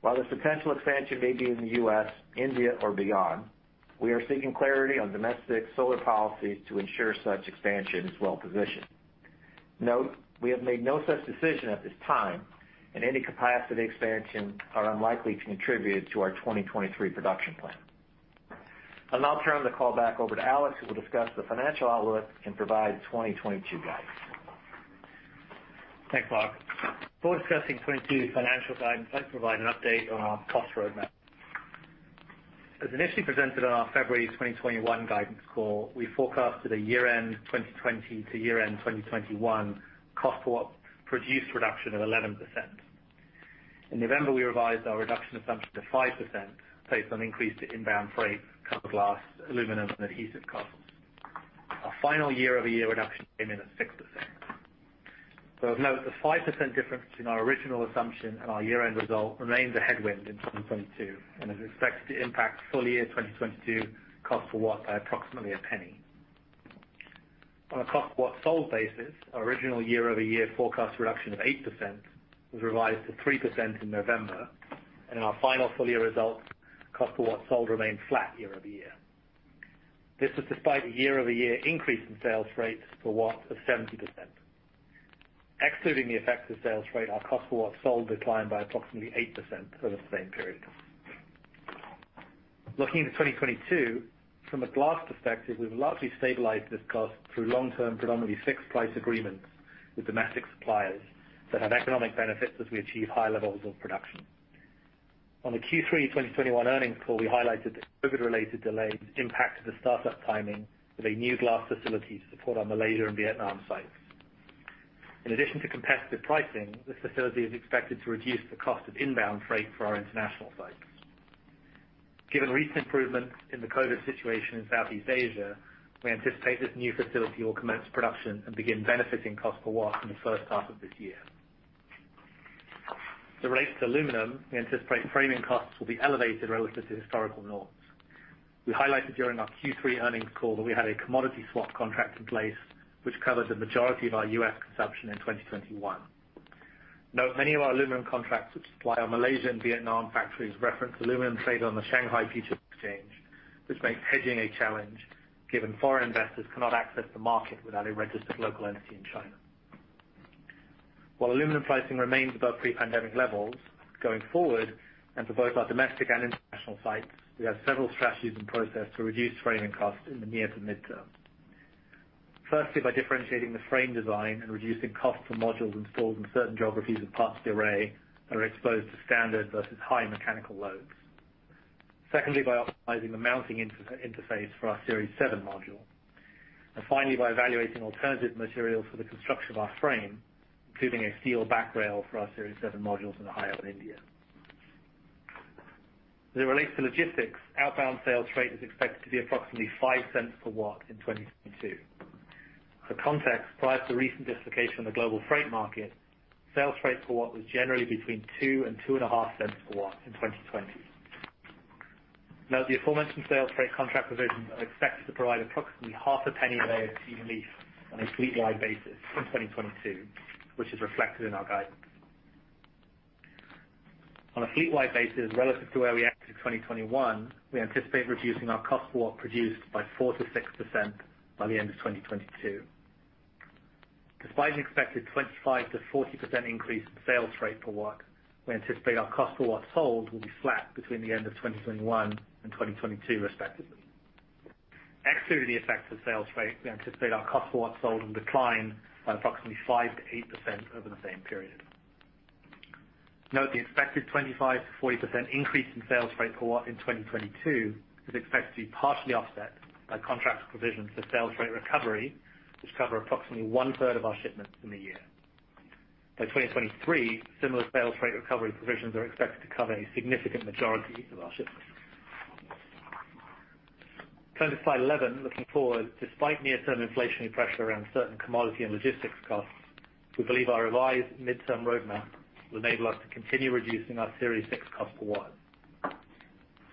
While this potential expansion may be in the U.S., India or beyond, we are seeking clarity on domestic solar policies to ensure such expansion is well-positioned. Note, we have made no such decision at this time, and any capacity expansion are unlikely to contribute to our 2023 production plan. I'll now turn the call back over to Alex, who will discuss the financial outlook and provide 2022 guidance. Thanks, Mark. Before discussing 2022 financial guidance, I'll provide an update on our cost roadmap. As initially presented on our February 2021 guidance call, we forecasted a year-end 2020 to year-end 2021 cost per watt produced reduction of 11%. In November, we revised our reduction assumption to 5% based on increases in inbound freight, cover glass, aluminum and adhesive costs. Our final year-over-year reduction came in at 6%. Note the 5% difference between our original assumption and our year-end result remains a headwind in 2022 and is expected to impact full-year 2022 cost per watt by approximately $0.01. On a cost-per-watt sold basis, our original year-over-year forecast reduction of 8% was revised to 3% in November, and in our final full-year results, cost per watt sold remained flat year-over-year. This was despite a year-over-year increase in sales rate per watt of 70%. Excluding the effect of sales rate, our cost per watt sold declined by approximately 8% for the same period. Looking into 2022, from a glass perspective, we've largely stabilized this cost through long-term predominantly fixed price agreements with domestic suppliers that have economic benefits as we achieve high levels of production. On the Q3 2021 earnings call, we highlighted that COVID related delays impacted the startup timing of a new glass facility to support our Malaysia and Vietnam sites. In addition to competitive pricing, this facility is expected to reduce the cost of inbound freight for our international sites. Given recent improvements in the COVID situation in Southeast Asia, we anticipate this new facility will commence production and begin benefiting cost per watt in the first half of this year. The rate to aluminum, we anticipate framing costs will be elevated relative to historical norms. We highlighted during our Q3 earnings call that we had a commodity swap contract in place, which covered the majority of our U.S. consumption in 2021. Note, many of our aluminum contracts which supply our Malaysia and Vietnam factories reference aluminum trade on the Shanghai Futures Exchange, which makes hedging a challenge given foreign investors cannot access the market without a registered local entity in China. While aluminum pricing remains above pre-pandemic levels, going forward, and for both our domestic and international sites, we have several strategies in process to reduce framing costs in the near- to mid-term. Firstly, by differentiating the frame design and reducing costs for modules installed in certain geographies and parts of the array that are exposed to standard versus high mechanical loads. Secondly, by optimizing the mounting interface for our Series 7 module. Finally, by evaluating alternative materials for the construction of our frame, including a steel back rail for our Series 7 modules in Ohio and India. As it relates to logistics, outbound sales freight is expected to be approximately $0.05 per watt in 2022. For context, prior to recent dislocation in the global freight market, sales freight per watt was generally between $0.02 and $0.025 per watt in 2020. Note the aforementioned sales freight contract provisions are expected to provide approximately $0.005 per watt relief on a fleet-wide basis in 2022, which is reflected in our guidance. On a fleet-wide basis, relative to where we entered 2021, we anticipate reducing our cost per watt produced by 4%-6% by the end of 2022. Despite an expected 25%-40% increase in sales freight per watt, we anticipate our cost per watt sold will be flat between the end of 2021 and 2022, respectively. Excluding the effects of sales freight, we anticipate our cost per watt sold will decline by approximately 5%-8% over the same period. Note the expected 25%-40% increase in sales freight per watt in 2022 is expected to be partially offset by contract provisions for sales freight recovery, which cover approximately one-third of our shipments in the year. By 2023, similar sales freight recovery provisions are expected to cover a significant majority of our shipments. Turning to slide 11, looking forward, despite near-term inflationary pressure around certain commodity and logistics costs, we believe our revised midterm roadmap will enable us to continue reducing our Series 6 cost per watt.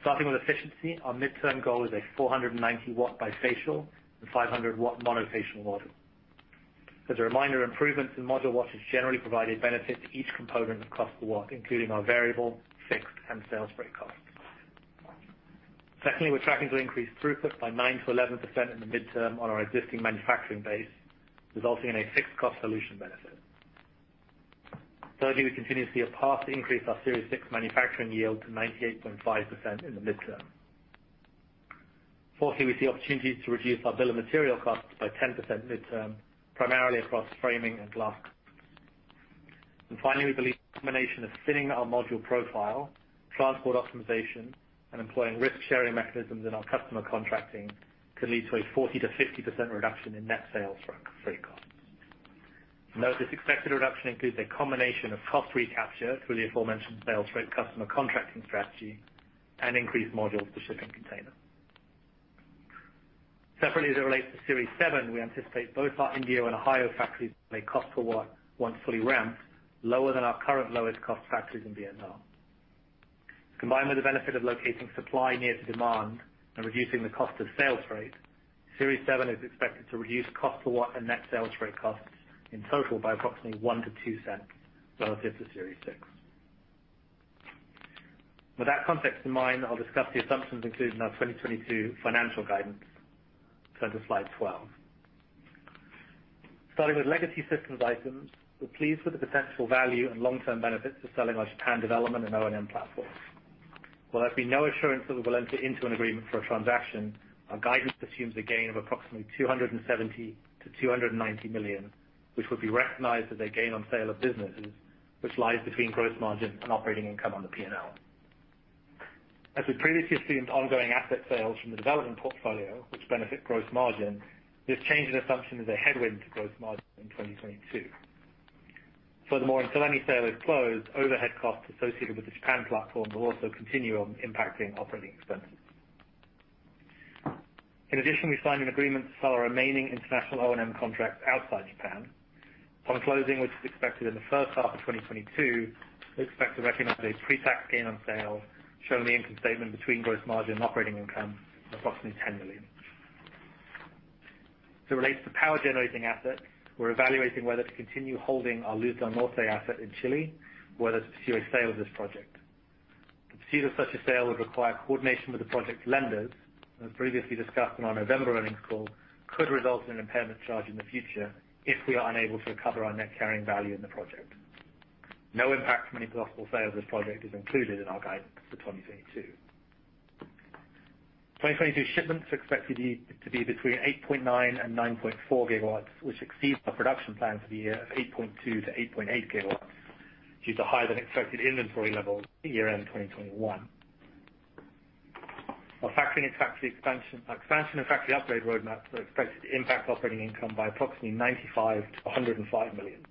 Starting with efficiency, our midterm goal is a 490-watt bifacial and 500-watt Monofacial model. As a reminder, improvements in module wattage generally provide a benefit to each component of cost per watt, including our variable, fixed, and sales freight cost. Secondly, we're tracking to increase throughput by 9%-11% in the midterm on our existing manufacturing base, resulting in a fixed cost solution benefit. Thirdly, we continue to see a path to increase our Series 6 manufacturing yield to 98.5% in the midterm. Fourthly, we see opportunities to reduce our bill of material costs by 10% midterm, primarily across framing and glass. Finally, we believe the combination of thinning our module profile, transport optimization, and employing risk-sharing mechanisms in our customer contracting could lead to a 40%-50% reduction in net sales freight costs. Note, this expected reduction includes a combination of cost recapture through the aforementioned sales freight customer contracting strategy and increased modules per shipping container. Separately, as it relates to Series 7, we anticipate both our India and Ohio factories may have a cost per watt once fully ramped lower than our current lowest cost factories in Vietnam. Combined with the benefit of locating supply near to demand and reducing the cost of sales freight, Series 7 is expected to reduce cost per watt and net sales freight costs in total by approximately $0.01-$0.02 relative to Series 6. With that context in mind, I'll discuss the assumptions included in our 2022 financial guidance. Turn to slide 12. Starting with legacy systems items, we're pleased with the potential value and long-term benefits of selling our Japan development and O&M platforms. While there's been no assurance that we will enter into an agreement for a transaction, our guidance assumes a gain of approximately $270 million-$290 million, which would be recognized as a gain on sale of businesses, which lies between gross margin and operating income on the P&L. As we previously assumed, ongoing asset sales from the development portfolio, which benefit gross margin. This change in assumption is a headwind to gross margin in 2022. Furthermore, until any sale is closed, overhead costs associated with the Japan platform will also continue on impacting operating expenses. In addition, we signed an agreement to sell our remaining international O&M contracts outside Japan. Upon closing, which is expected in the first half of 2022, we expect to recognize a pre-tax gain on sale shown in the income statement between gross margin and operating income of approximately $10 million. As it relates to power generating assets, we're evaluating whether to continue holding our Luz del Norte asset in Chile or whether to pursue a sale of this project. The pursuit of such a sale would require coordination with the project's lenders, and as previously discussed in our November earnings call, could result in an impairment charge in the future if we are unable to recover our net carrying value in the project. No impact from any possible sale of this project is included in our guidance for 2022. 2022 shipments are expected to be between 8.9 and 9.4 GW, which exceeds our production plan for the year of 8.2-8.8 GW due to higher than expected inventory levels at year-end 2021. Our factory expansion and factory upgrade roadmaps are expected to impact operating income by approximately $95-$105 million.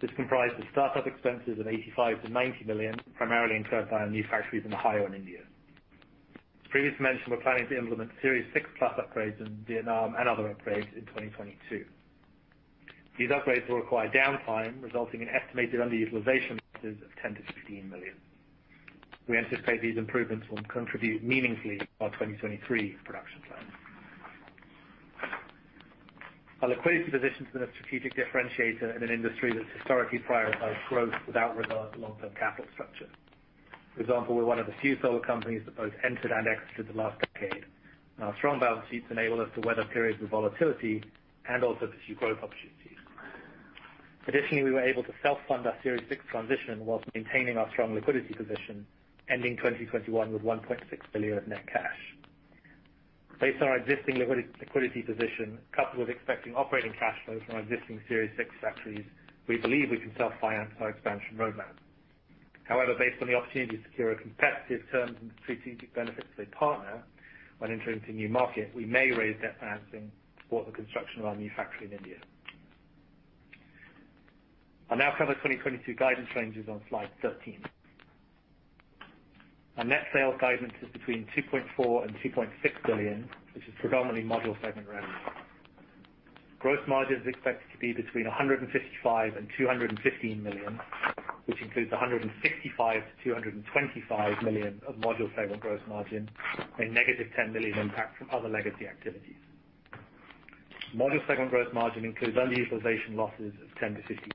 This comprises startup expenses of $85-$90 million, primarily in current and new factories in Ohio and India. As previously mentioned, we're planning to implement Series 6 Plus upgrades in Vietnam and other upgrades in 2022. These upgrades will require downtime, resulting in estimated underutilization losses of $10-$15 million. We anticipate these improvements will contribute meaningfully to our 2023 production plan. Our liquidity position has been a strategic differentiator in an industry that's historically prioritized growth without regard to long-term capital structure. For example, we're one of the few solar companies that both entered and exited the last decade. Our strong balance sheets enable us to weather periods of volatility and also pursue growth opportunities. Additionally, we were able to self-fund our Series 6 transition while maintaining our strong liquidity position, ending 2021 with $1.6 billion of net cash. Based on our existing liquidity position, coupled with expecting operating cash flows from our existing Series 6 factories, we believe we can self-finance our expansion roadmap. However, based on the opportunity to secure competitive terms and the strategic benefits of a partner when entering into new market, we may raise debt financing to support the construction of our new factory in India. I'll now cover 2022 guidance ranges on slide 13. Our net sales guidance is between $2.4 billion-$2.6 billion, which is predominantly module segment revenue. Gross margin is expected to be between $155 million-$215 million, which includes $165 million-$225 million of module segment gross margin and -$10 million impact from other legacy activities. Module segment gross margin includes underutilization losses of $10 million-$15 million.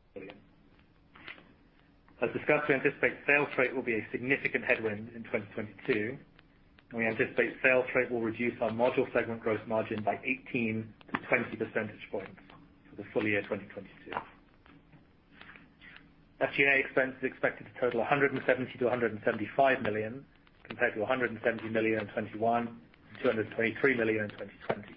As discussed, we anticipate sales freight will be a significant headwind in 2022, and we anticipate sales freight will reduce our module segment gross margin by 18-20 percentage points for the full year 2022. SG&A expense is expected to total $170 million-$175 million, compared to $170 million in 2021 and $223 million in 2020.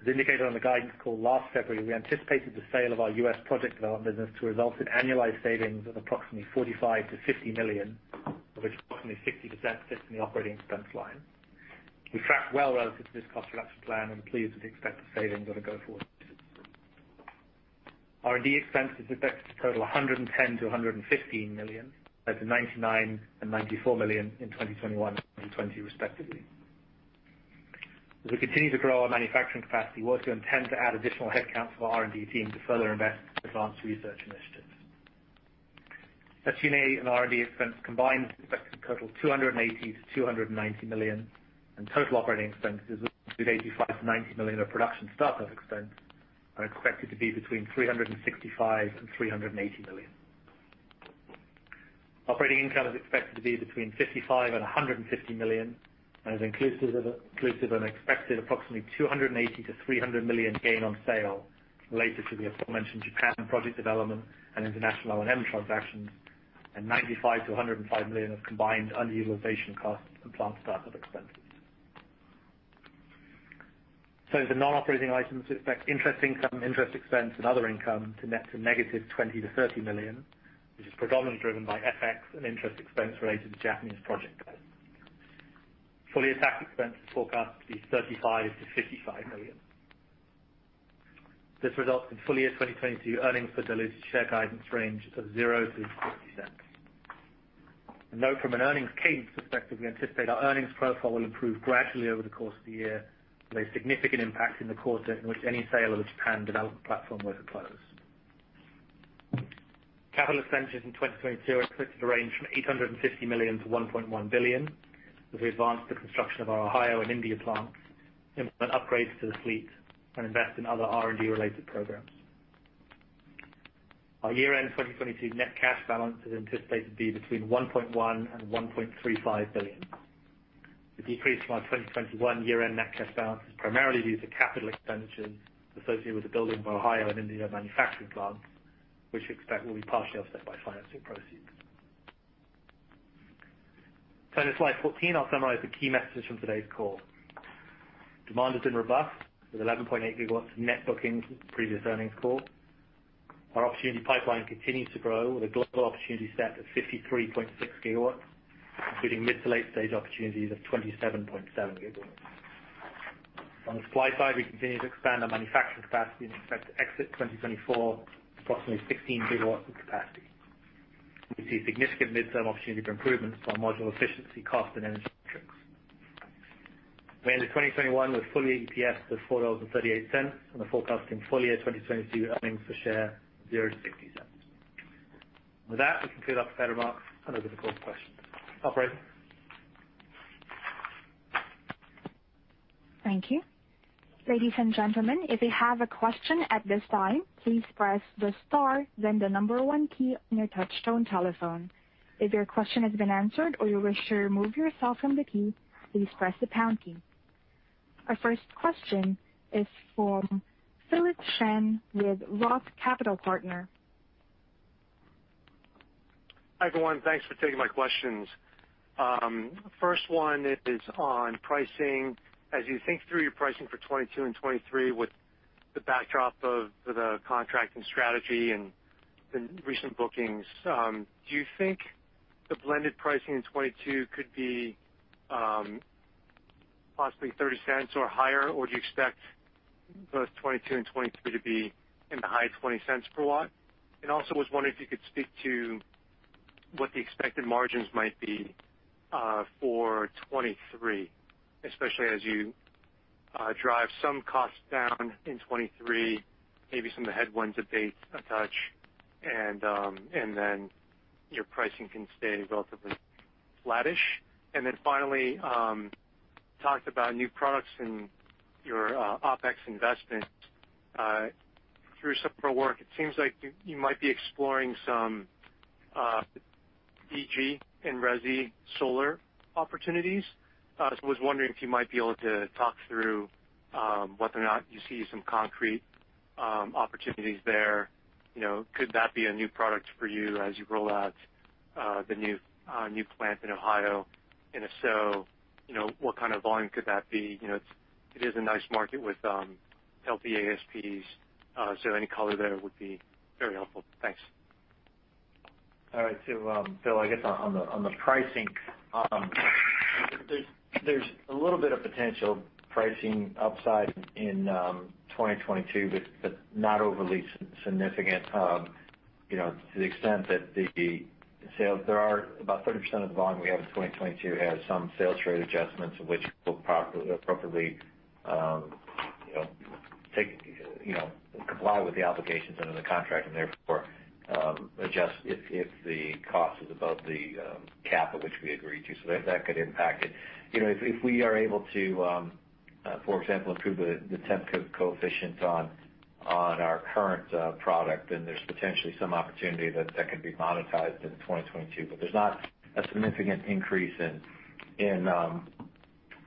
As indicated on the guidance call last February, we anticipated the sale of our U.S. project development business to result in annualized savings of approximately $45 million-$50 million, of which approximately 60% sits in the operating expense line. We tracked well relative to this cost reduction plan and are pleased with the expected savings on a go-forward basis. R&D expense is expected to total $110 million-$115 million, compared to $99 million and $94 million in 2021 and 2020, respectively. As we continue to grow our manufacturing capacity, we also intend to add additional headcount for our R&D team to further invest in advanced research initiatives. SG&A and R&D expense combined is expected to total $280-$290 million, and total operating expenses, including $85-$90 million of production startup expense, are expected to be between $365 million and $380 million. Operating income is expected to be between $55 million and $150 million, and is inclusive of an expected approximately $280-$300 million gain on sale related to the aforementioned Japan project development and international O&M transactions, and $95-$105 million of combined underutilization costs and plant startup expenses. Turning to non-operating items, we expect interest income, interest expense, and other income to net to negative $20-$30 million, which is predominantly driven by FX and interest expense related to Japanese project debt. Full-year tax expense is forecast to be $35 million-$55 million. This results in full-year 2022 earnings per diluted share guidance range of $0-$0.60. Note from an earnings cadence perspective, we anticipate our earnings profile will improve gradually over the course of the year, with a significant impact in the quarter in which any sale of the Japan development platform were to close. Capital expenditures in 2022 are expected to range from $850 million-$1.1 billion as we advance the construction of our Ohio and India plants, implement upgrades to the fleet, and invest in other R&D related programs. Our year-end 2022 net cash balance is anticipated to be between $1.1 billion and $1.35 billion. The decrease from our 2021 year-end net cash balance is primarily due to capital expenditures associated with the building of Ohio and India manufacturing plants, which we expect will be partially offset by financing proceeds. Turning to slide 14, I'll summarize the key messages from today's call. Demand has been robust, with 11.8 GW of net bookings since the previous earnings call. Our opportunity pipeline continues to grow, with a global opportunity set of 53.6 GW, including mid- to late-stage opportunities of 27.7 GW. On the supply side, we continue to expand our manufacturing capacity and expect to exit 2024 with approximately 16 GW of capacity. We see significant midterm opportunity for improvements on module efficiency, cost, and energy metrics. We ended 2021 with fully EPS of $4.38, and are forecasting full year 2022 earnings per share of $0-$0.60. With that, we conclude our prepared remarks and open the call for questions. Operator? [Thank you. Ladies and gentleman, if you have a question at this time please press the star then the number one key on your touch-tone telephone. If your questions have been answered or you'll not share, move your hands from the telephone key.] Our first question is from Philip Shen with ROTH Capital Partners. Hi, everyone. Thanks for taking my questions. First one is on pricing. As you think through your pricing for 2022 and 2023 with the backdrop of the contract and strategy and the recent bookings, do you think the blended pricing in 2022 could be possibly $0.30 or higher? Or do you expect both 2022 and 2023 to be in the high $0.20 cents per watt? Also was wondering if you could speak to what the expected margins might be for 2023, especially as you drive some costs down in 2023, maybe some of the headwinds abate a touch, and and then your pricing can stay relatively flattish. Then finally, talked about new products in your OpEx investment. Through some pro work, it seems like you might be exploring some DG and RESI solar opportunities. Was wondering if you might be able to talk through whether or not you see some concrete opportunities there. You know, could that be a new product for you as you roll out the new plant in Ohio? If so, you know, what kind of volume could that be? You know, it is a nice market with healthy ASPs. Any color there would be very helpful. Thanks. All right. Philip, I guess on the pricing, there's a little bit of potential pricing upside in 2022, but not overly significant. You know, to the extent that there are about 30% of the volume we have in 2022 has some sales trade adjustments of which will appropriately take, you know, comply with the obligations under the contract, and therefore adjust if the cost is above the cap of which we agreed to. That could impact it. You know, if we are able to, for example, improve the temperature coefficient on our current product, then there's potentially some opportunity that could be monetized in 2022. There's not a significant increase in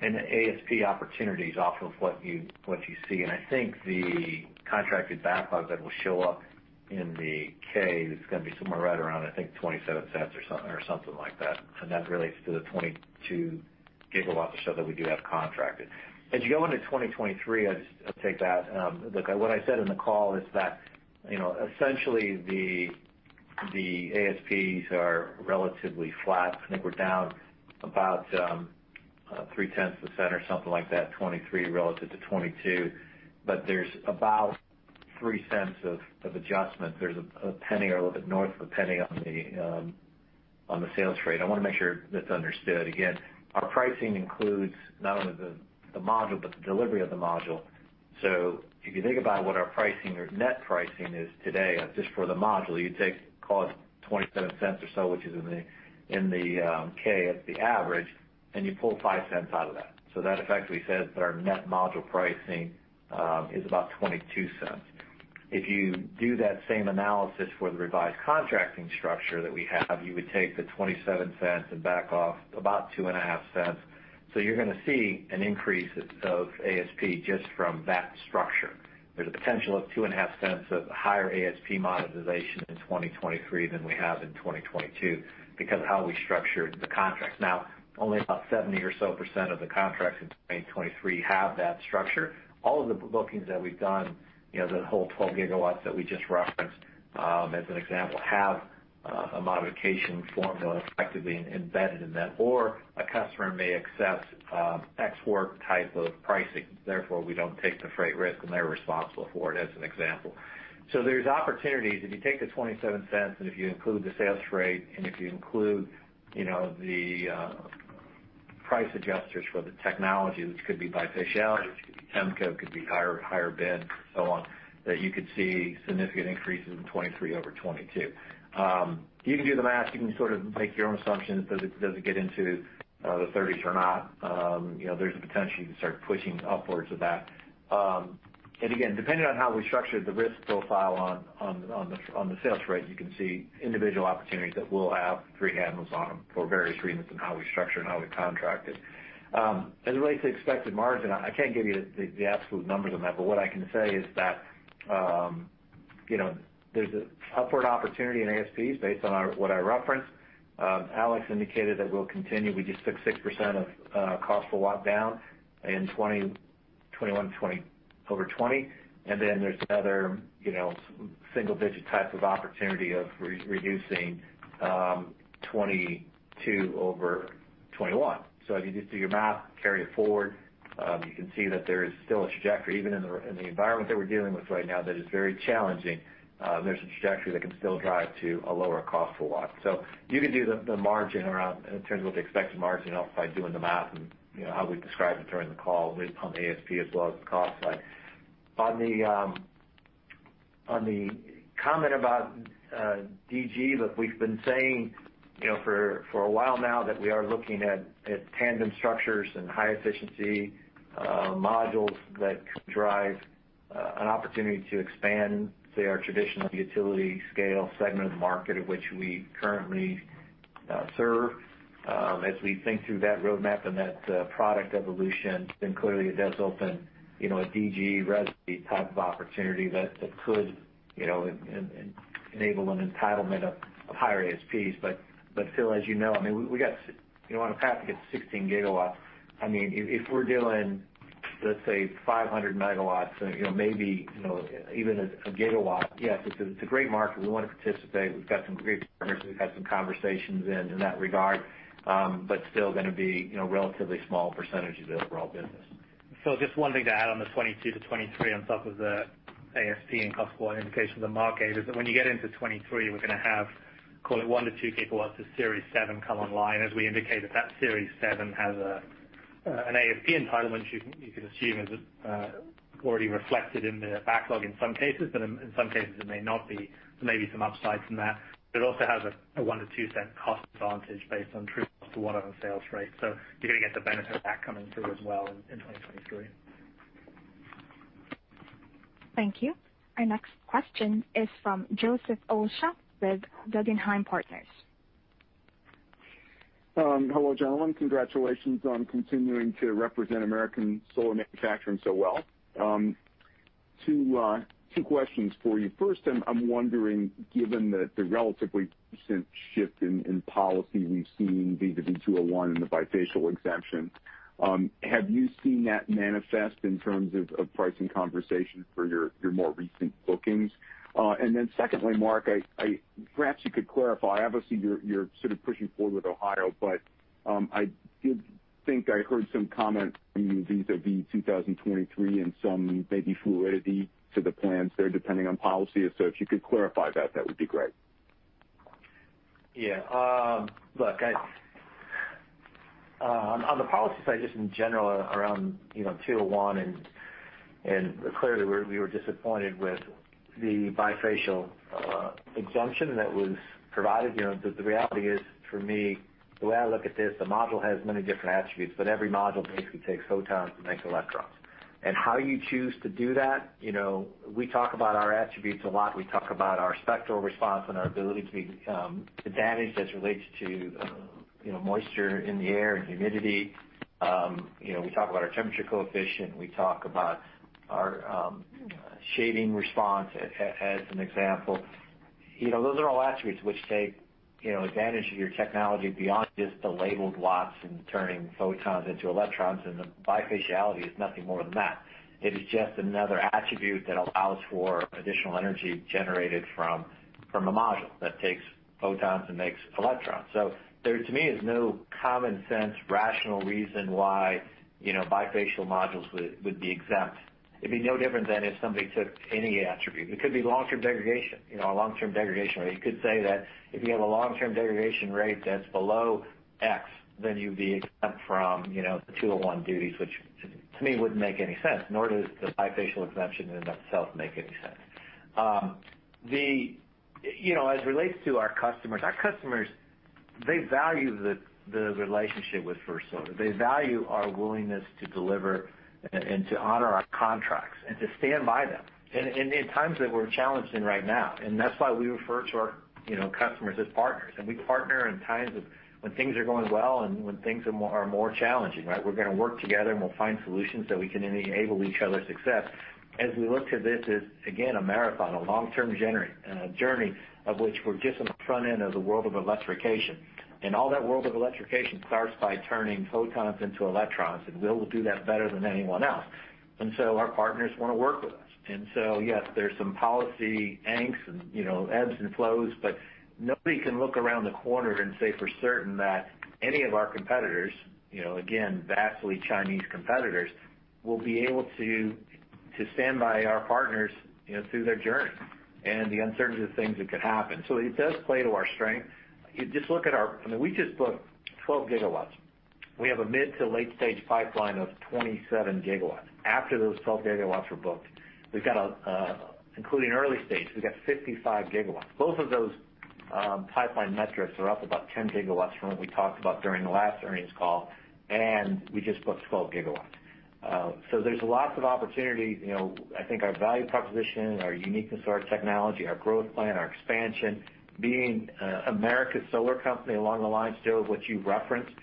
ASP opportunities off of what you see. I think the contracted backlog that will show up in the K, that's gonna be somewhere right around $0.27 cents or something like that. That relates to the 22 GW or so that we do have contracted. As you go into 2023, I'll take that. Look, what I said in the call is that, you know, essentially the ASPs are relatively flat. I think we're down about three tenths of a cent or something like that, 2023 relative to 2022. There's about $0.03 cents of adjustment. There's a penny or a little bit north of a penny on the sales rate. I wanna make sure that's understood. Again, our pricing includes not only the module, but the delivery of the module. If you think about what our pricing or net pricing is today, just for the module, you take cost $0.27 or so, which is in the 10-K as the average, and you pull $0.05 out of that. That effectively says that our net module pricing is about $0.22. If you do that same analysis for the revised contracting structure that we have, you would take the $0.27 and back off about $0.025. You're gonna see an increase of ASP just from that structure. There's a potential of $0.025 of higher ASP monetization in 2023 than we have in 2022 because of how we structured the contracts. Only about 70% or so of the contracts in 2023 have that structure. All of the bookings that we've done, you know, the whole 12 GW that we just referenced, as an example, have a modification formula effectively embedded in them, or a customer may accept export type of pricing, therefore, we don't take the freight risk, and they're responsible for it, as an example. There's opportunities. If you take the $0.27, and if you include the sales rate, and if you include, you know, the price adjusters for the technology, which could be bifaciality, which could be tempco, could be higher bid and so on, that you could see significant increases in 2023 over 2022. You can do the math, you can sort of make your own assumptions. Does it get into the 30s or not? You know, there's the potential you can start pushing upwards of that. Again, depending on how we structured the risk profile on the sales rate, you can see individual opportunities that we'll have 3 handles on them for various reasons in how we structure and how we contract it. As it relates to expected margin, I can't give you the absolute numbers on that, but what I can say is that, you know, there's a upward opportunity in ASPs based on what I referenced. Alex indicated that we'll continue. We just took 6% of cost per watt down in 2021 over 2020. Then there's other, you know, single-digit type of opportunity of re-reducing 2022 over 2021. If you just do your math, carry it forward, you can see that there is still a trajectory even in the environment that we're dealing with right now that is very challenging. There's a trajectory that can still drive to a lower cost per watt. You can do the margin around in terms of what the expected margin is by doing the math and, you know, how we described it during the call based upon the ASP as well as the cost side. On the comment about DG. Look, we've been saying, you know, for a while now that we are looking at tandem structures and high efficiency modules that could drive an opportunity to expand, say, our traditional utility scale segment of the market at which we currently serve. As we think through that roadmap and that product evolution, then clearly it does open, you know, a DG RESI type of opportunity that could, you know, enable an entitlement of higher ASPs. But Phil, as you know, I mean, we're on a path to get 16 GW. I mean, if we're doing, let's say 500 MW, you know, maybe even 1 GW, yes, it's a great market. We wanna participate. We've got some great partners. We've had some conversations in that regard, but still gonna be, you know, relatively small percentage of the overall business. Phil, just one thing to add on the 2022-2023 on top of the ASP and cost point indications of the market, is that when you get into 2023, we're gonna have call it 1-2 GW of Series Seven come online. As we indicated, that Series Seven has an ASP entitlement you can assume is already reflected in the backlog in some cases, but in some cases it may not be. Maybe some upside from that. It also has a $0.01-$0.02 cost advantage based on true cost per watt on sales rate. You're gonna get the benefit of that coming through as well in 2023. Thank you. Our next question is from Joseph Osha with Guggenheim Partners. Hello, gentlemen. Congratulations on continuing to represent American solar manufacturing so well. Two questions for you. First, I'm wondering, given the relatively recent shift in policy we've seen vis-à-vis Section 201 and the bifacial exemption, have you seen that manifest in terms of pricing conversations for your more recent bookings? And then secondly, Mark, perhaps you could clarify. Obviously, you're sort of pushing forward with Ohio, but I did think I heard some comments from you vis-à-vis 2023 and some maybe fluidity to the plans there depending on policy. If you could clarify that would be great. Yeah. Look, on the policy side, just in general around, you know, Section 201 and clearly we were disappointed with the bifacial exemption that was provided. You know, the reality is, for me, the way I look at this, the module has many different attributes, but every module basically takes photons and makes electrons. How you choose to do that, you know, we talk about our attributes a lot. We talk about our spectral response and our ability to be advantageous as it relates to, you know, moisture in the air and humidity. You know, we talk about our temperature coefficient, and we talk about our shading response as an example. You know, those are all attributes which take, you know, advantage of your technology beyond just the labeled watts and turning photons into electrons, and the bifaciality is nothing more than that. It is just another attribute that allows for additional energy generated from a module that takes photons and makes electrons. There, to me, is no common sense rational reason why, you know, bifacial modules would be exempt. It'd be no different than if somebody took any attribute. It could be long-term degradation, you know, a long-term degradation rate. You could say that if you have a long-term degradation rate that's below X, then you'd be exempt from, you know, the 201 duties, which to me wouldn't make any sense, nor does the bifacial exemption in itself make any sense. You know, as it relates to our customers, they value the relationship with First Solar. They value our willingness to deliver and to honor our contracts and to stand by them in times that we're challenged in right now. That's why we refer to our, you know, customers as partners. We partner in times of when things are going well and when things are more challenging, right? We're gonna work together, and we'll find solutions so we can enable each other's success. As we look to this as, again, a marathon, a long-term journey of which we're just on the front end of the world of electrification. All that world of electrification starts by turning photons into electrons, and we'll do that better than anyone else. Our partners wanna work with us. Yes, there's some policy angst and, you know, ebbs and flows, but nobody can look around the corner and say for certain that any of our competitors, you know, again, vastly Chinese competitors, will be able to stand by our partners, you know, through their journey and the uncertainty of things that could happen. It does play to our strength. If you just look at our, I mean, we just booked 12 GW. We have a mid to late stage pipeline of 27 GW. After those 12 GW were booked, we've got, including early stage, we've got 55 GW. Both of those pipeline metrics are up about 10 GW from what we talked about during the last earnings call, and we just booked 12 GW. There's lots of opportunity. You know, I think our value proposition, our uniqueness of our technology, our growth plan, our expansion, being America's solar company along the lines, Joe, of what you referenced,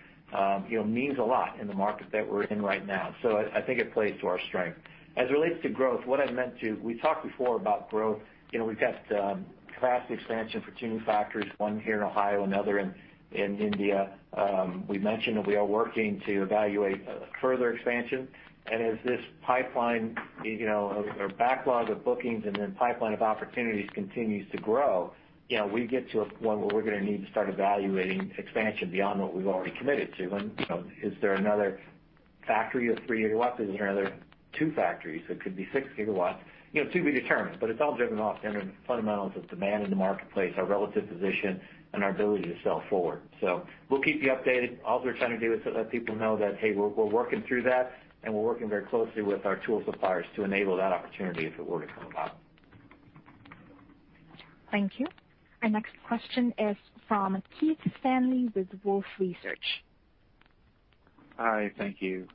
you know, means a lot in the market that we're in right now. I think it plays to our strength. As it relates to growth, we talked before about growth. You know, we've got capacity expansion for 2 new factories, one here in Ohio, another in India. We've mentioned that we are working to evaluate a further expansion. As this pipeline, you know, or backlog of bookings and then pipeline of opportunities continues to grow, you know, we get to a point where we're gonna need to start evaluating expansion beyond what we've already committed to. You know, is there another factory of 3 GW? Is there another 2 factories? It could be 6 GW. You know, to be determined, but it's all driven off the fundamentals of demand in the marketplace, our relative position, and our ability to sell forward. We'll keep you updated. All we're trying to do is to let people know that, hey, we're working through that, and we're working very closely with our tool suppliers to enable that opportunity if it were to come about. Thank you. Our next question is from Keith Stanley with Wolfe Research. Hi. Thank you.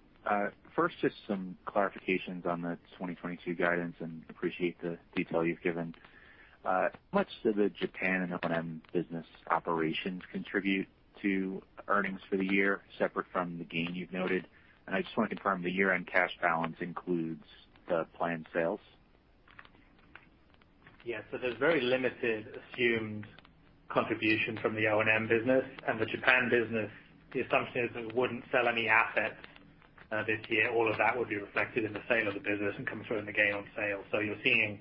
First, just some clarifications on the 2022 guidance, and appreciate the detail you've given. How much did the Japan and O&M business operations contribute to earnings for the year separate from the gain you've noted? I just wanna confirm the year-end cash balance includes the planned sales. Yeah. There's very limited assumed contribution from the O&M business and the Japan business. The assumption is we wouldn't sell any assets this year. All of that would be reflected in the sale of the business and come through in the gain on sale. You're seeing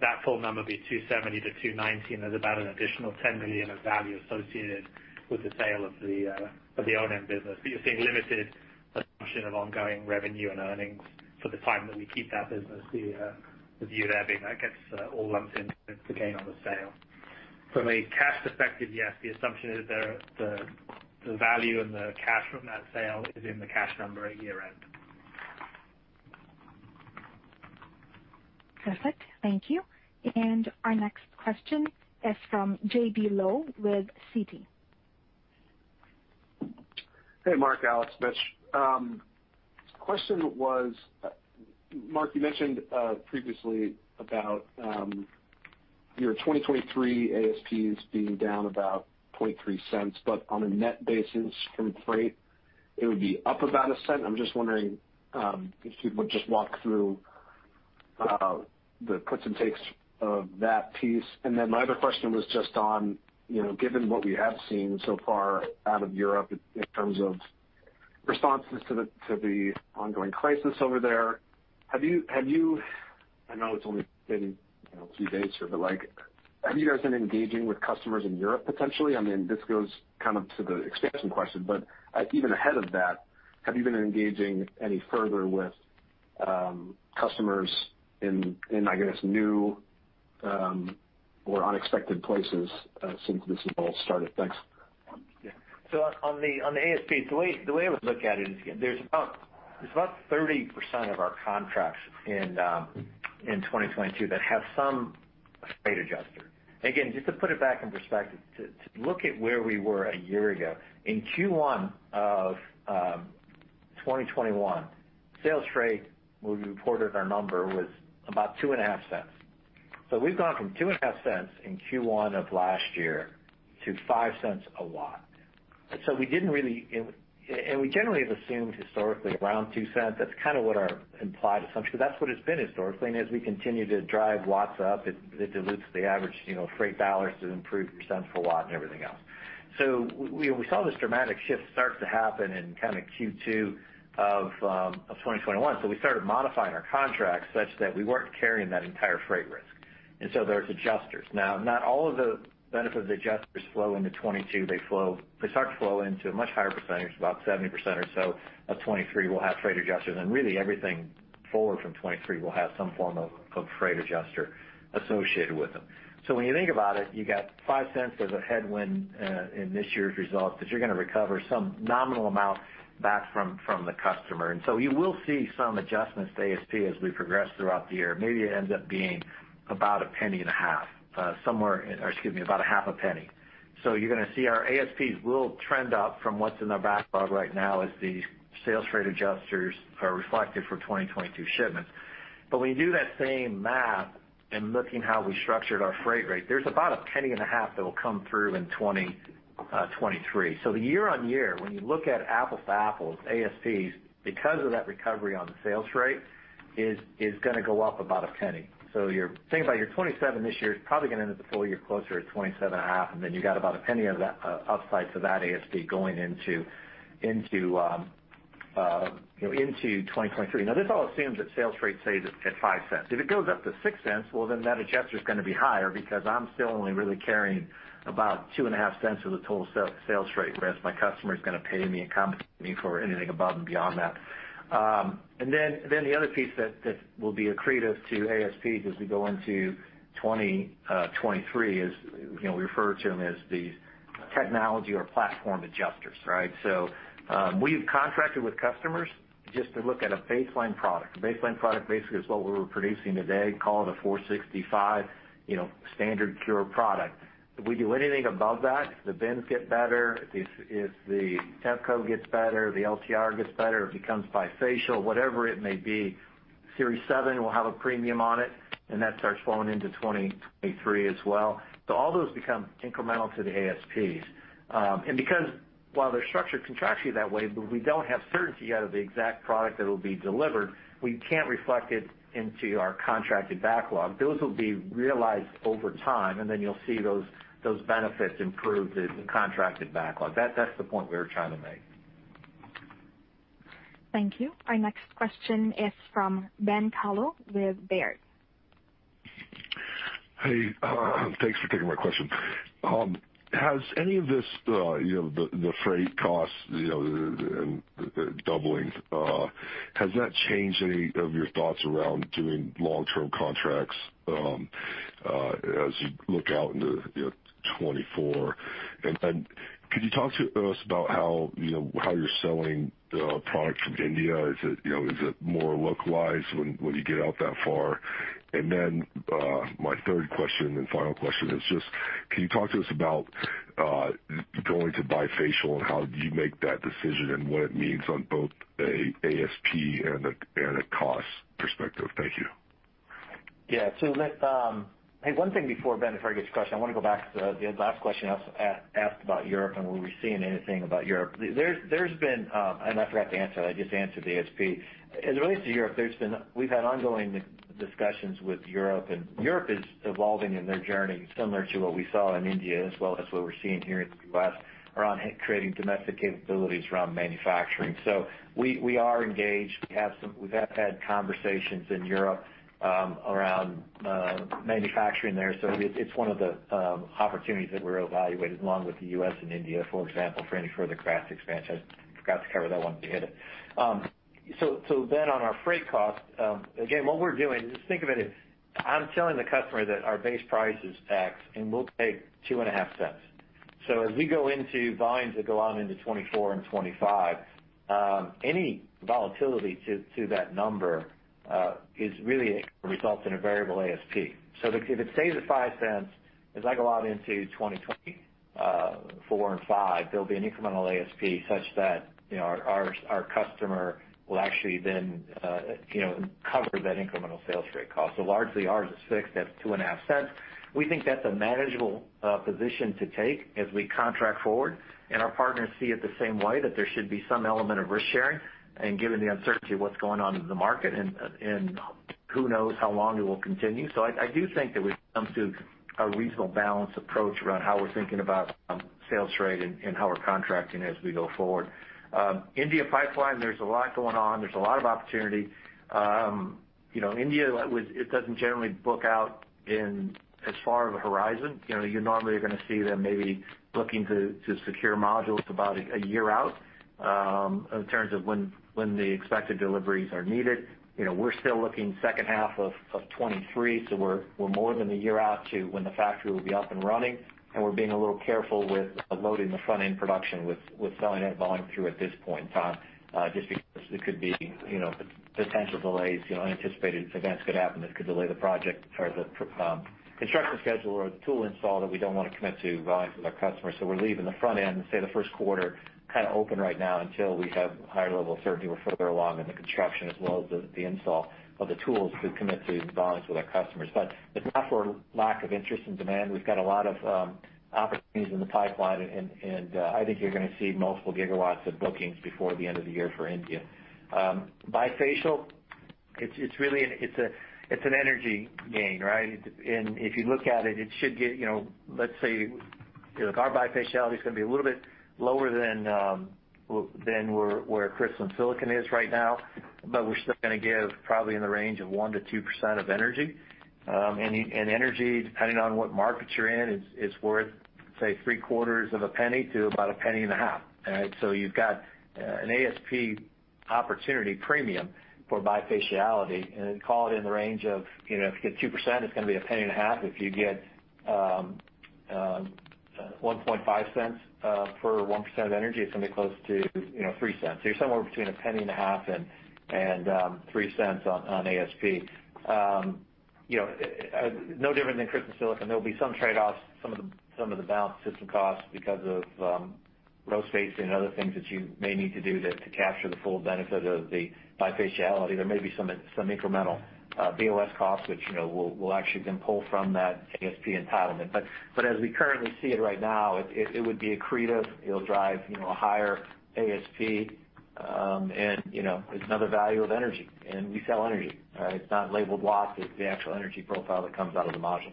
that full number be $270 million-$219 million. There's about an additional $10 million of value associated with the sale of the O&M business. You're seeing limited assumption of ongoing revenue and earnings for the time that we keep that business. The view there being that gets all lumped into the gain on the sale. From a cash perspective, yes, the assumption is the value and the cash from that sale is in the cash number at year-end. Perfect. Thank you. Our next question is from J.B. Lowe with Citi. Hey, Mark, Alex, Mitch. Question was, Mark, you mentioned previously about your 2023 ASPs being down about $0.003, but on a net basis from freight it would be up about $0.01. I'm just wondering if you would just walk through the puts and takes of that piece. My other question was just on, you know, given what we have seen so far out of Europe in terms of responses to the ongoing crisis over there. Have you? I know it's only been, you know, a few days here, but, like, have you guys been engaging with customers in Europe potentially? I mean, this goes kind of to the expansion question, but even ahead of that, have you been engaging any further with customers in, I guess, new or unexpected places since this has all started? Thanks. Yeah. On the ASP, the way I would look at it is there's about 30% of our contracts in 2022 that have some freight adjuster. Again, just to put it back in perspective, to look at where we were a year ago, in Q1 of 2021, sales freight, when we reported our number, was about $0.25 cents. We've gone from $0.25 cents in Q1 of last year to $0.05 cents a watt. We generally have assumed historically around $0.02 cents. That's kind of what our implied assumption, 'cause that's what it's been historically. As we continue to drive watts up, it dilutes the average, you know, freight dollars to improve cents per watt and everything else. We saw this dramatic shift start to happen in kind of Q2 of 2021, so we started modifying our contracts such that we weren't carrying that entire freight risk. There are adjusters. Now, not all of the benefits of the adjusters flow into 2022. They start to flow into a much higher percentage. About 70% or so of 2023 will have freight adjusters. Really everything forward from 2023 will have some form of freight adjuster associated with them. When you think about it, you got $0.05 as a headwind in this year's results that you're gonna recover some nominal amount back from the customer. You will see some adjustments to ASP as we progress throughout the year. Maybe it ends up being about $0.015 somewhere. Excuse me, about a half a penny. You're gonna see our ASPs will trend up from what's in our backlog right now as the sales freight adjusters are reflected for 2022 shipments. When you do that same math in looking how we structured our freight rate, there's about a penny and a half that will come through in 2023. The year-on-year, when you look at apples to apples, ASPs, because of that recovery on the sales freight, is gonna go up about a penny. You're thinking about your 27 this year is probably gonna end up the full year closer at 27 and a half, and then you got about a penny of that upside to that ASP going into, you know, 2023. Now this all assumes that sales freight stays at $0.05 cents. If it goes up to $0.06, well, then that adjuster's gonna be higher because I'm still only really carrying about $0.025 of the total sales freight risk. My customer's gonna pay me and compensate me for anything above and beyond that. The other piece that will be accretive to ASPs as we go into 2023 is, you know, we refer to them as the technology or platform adjusters, right? So, we've contracted with customers just to look at a baseline product. A baseline product basically is what we're producing today, call it a 465, you know, standard CuRe product. If we do anything above that, if the bins get better, if the tempco gets better, the LTR gets better, if it comes bifacial, whatever it may be, Series 7 will have a premium on it, and that starts flowing into 2023 as well. All those become incremental to the ASPs. Because while they're structured contractually that way, but we don't have certainty out of the exact product that will be delivered, we can't reflect it into our contracted backlog. Those will be realized over time, and then you'll see those benefits improve the contracted backlog. That's the point we were trying to make. Thank you. Our next question is from Ben Kallo with Baird. Hey, thanks for taking my question. Has any of this, you know, the freight costs, you know, and doubling, has that changed any of your thoughts around doing long-term contracts, as you look out into, you know, 2024? Then could you talk to us about how, you know, how you're selling products from India? Is it, you know, is it more localized when you get out that far? My third question and final question is just, can you talk to us about going to bifacial and how you make that decision and what it means on both a ASP and a cost perspective? Thank you. Yeah. Hey, one thing before, Ben, before I get to your question, I want to go back to the last question I was asked about Europe and were we seeing anything about Europe. There's been, and I forgot to answer that. I just answered the ASP. As it relates to Europe, we've had ongoing discussions with Europe, and Europe is evolving in their journey similar to what we saw in India, as well as what we're seeing here in the U.S. around creating domestic capabilities around manufacturing. We are engaged. We have had conversations in Europe around manufacturing there. It's one of the opportunities that we're evaluating along with the U.S. and India, for example, for any further capacity expansion. Forgot to cover that one, but you hit it. Ben, on our freight cost, again, what we're doing is just think of it as I'm telling the customer that our base price is X and we'll take $0.025. As we go into volumes that go out into 2024 and 2025, any volatility to that number is really results in a variable ASP. If it stays at $0.05, as I go out into 2024 and 2025, there'll be an incremental ASP such that, you know, our customer will actually then, you know, cover that incremental sales freight cost. Largely ours is fixed at $0.025. We think that's a manageable position to take as we contract forward, and our partners see it the same way, that there should be some element of risk-sharing and given the uncertainty of what's going on in the market and who knows how long it will continue. I do think that we've come to a reasonable balanced approach around how we're thinking about sales trade and how we're contracting as we go forward. India pipeline, there's a lot going on. There's a lot of opportunity. You know, India, it doesn't generally book out in as far of a horizon. You know, you normally are gonna see them maybe looking to secure modules about a year out, in terms of when the expected deliveries are needed. You know, we're still looking second half of 2023, so we're more than a year out to when the factory will be up and running, and we're being a little careful with loading the front-end production with selling that volume through at this point in time, just because it could be potential delays. You know, unanticipated events could happen that could delay the project or the construction schedule or the tool install that we don't wanna commit to volumes with our customers. We're leaving the front end, say the first quarter, kinda open right now until we have higher level of certainty. We're further along in the construction as well as the install of the tools to commit to volumes with our customers. But it's not for lack of interest and demand. We've got a lot of opportunities in the pipeline and I think you're gonna see multiple gigawatts of bookings before the end of the year for India. Bifacial, it's really an energy gain, right? And if you look at it should get you know, let's say you know, our bifaciality is gonna be a little bit lower than where crystalline silicon is right now, but we're still gonna give probably in the range of 1%-2% of energy. And energy, depending on what markets you're in, is worth, say, $0.0075-$0.015. You've got an ASP opportunity premium for bifaciality, and call it in the range of, you know, if you get 2%, it's gonna be $0.015. If you get $0.015 cents for 1% of energy, it's gonna be close to, you know, $0.03. You're somewhere between $0.015 and $0.03 on ASP. You know, no different than crystalline silicon. There'll be some trade-offs, some of the balance system costs because of row space and other things that you may need to do to capture the full benefit of the Bifaciality. There may be some incremental BOS costs, which, you know, we'll actually then pull from that ASP entitlement. As we currently see it right now, it would be accretive. It'll drive, you know, a higher ASP, and, you know, it's another value of energy, and we sell energy. All right. It's not labeled watts, it's the actual energy profile that comes out of the module.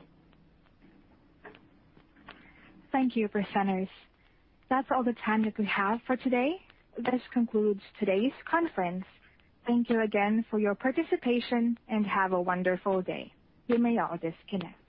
Thank you, presenters. That's all the time that we have for today. This concludes today's conference. Thank you again for your participation, and have a wonderful day. You may all disconnect.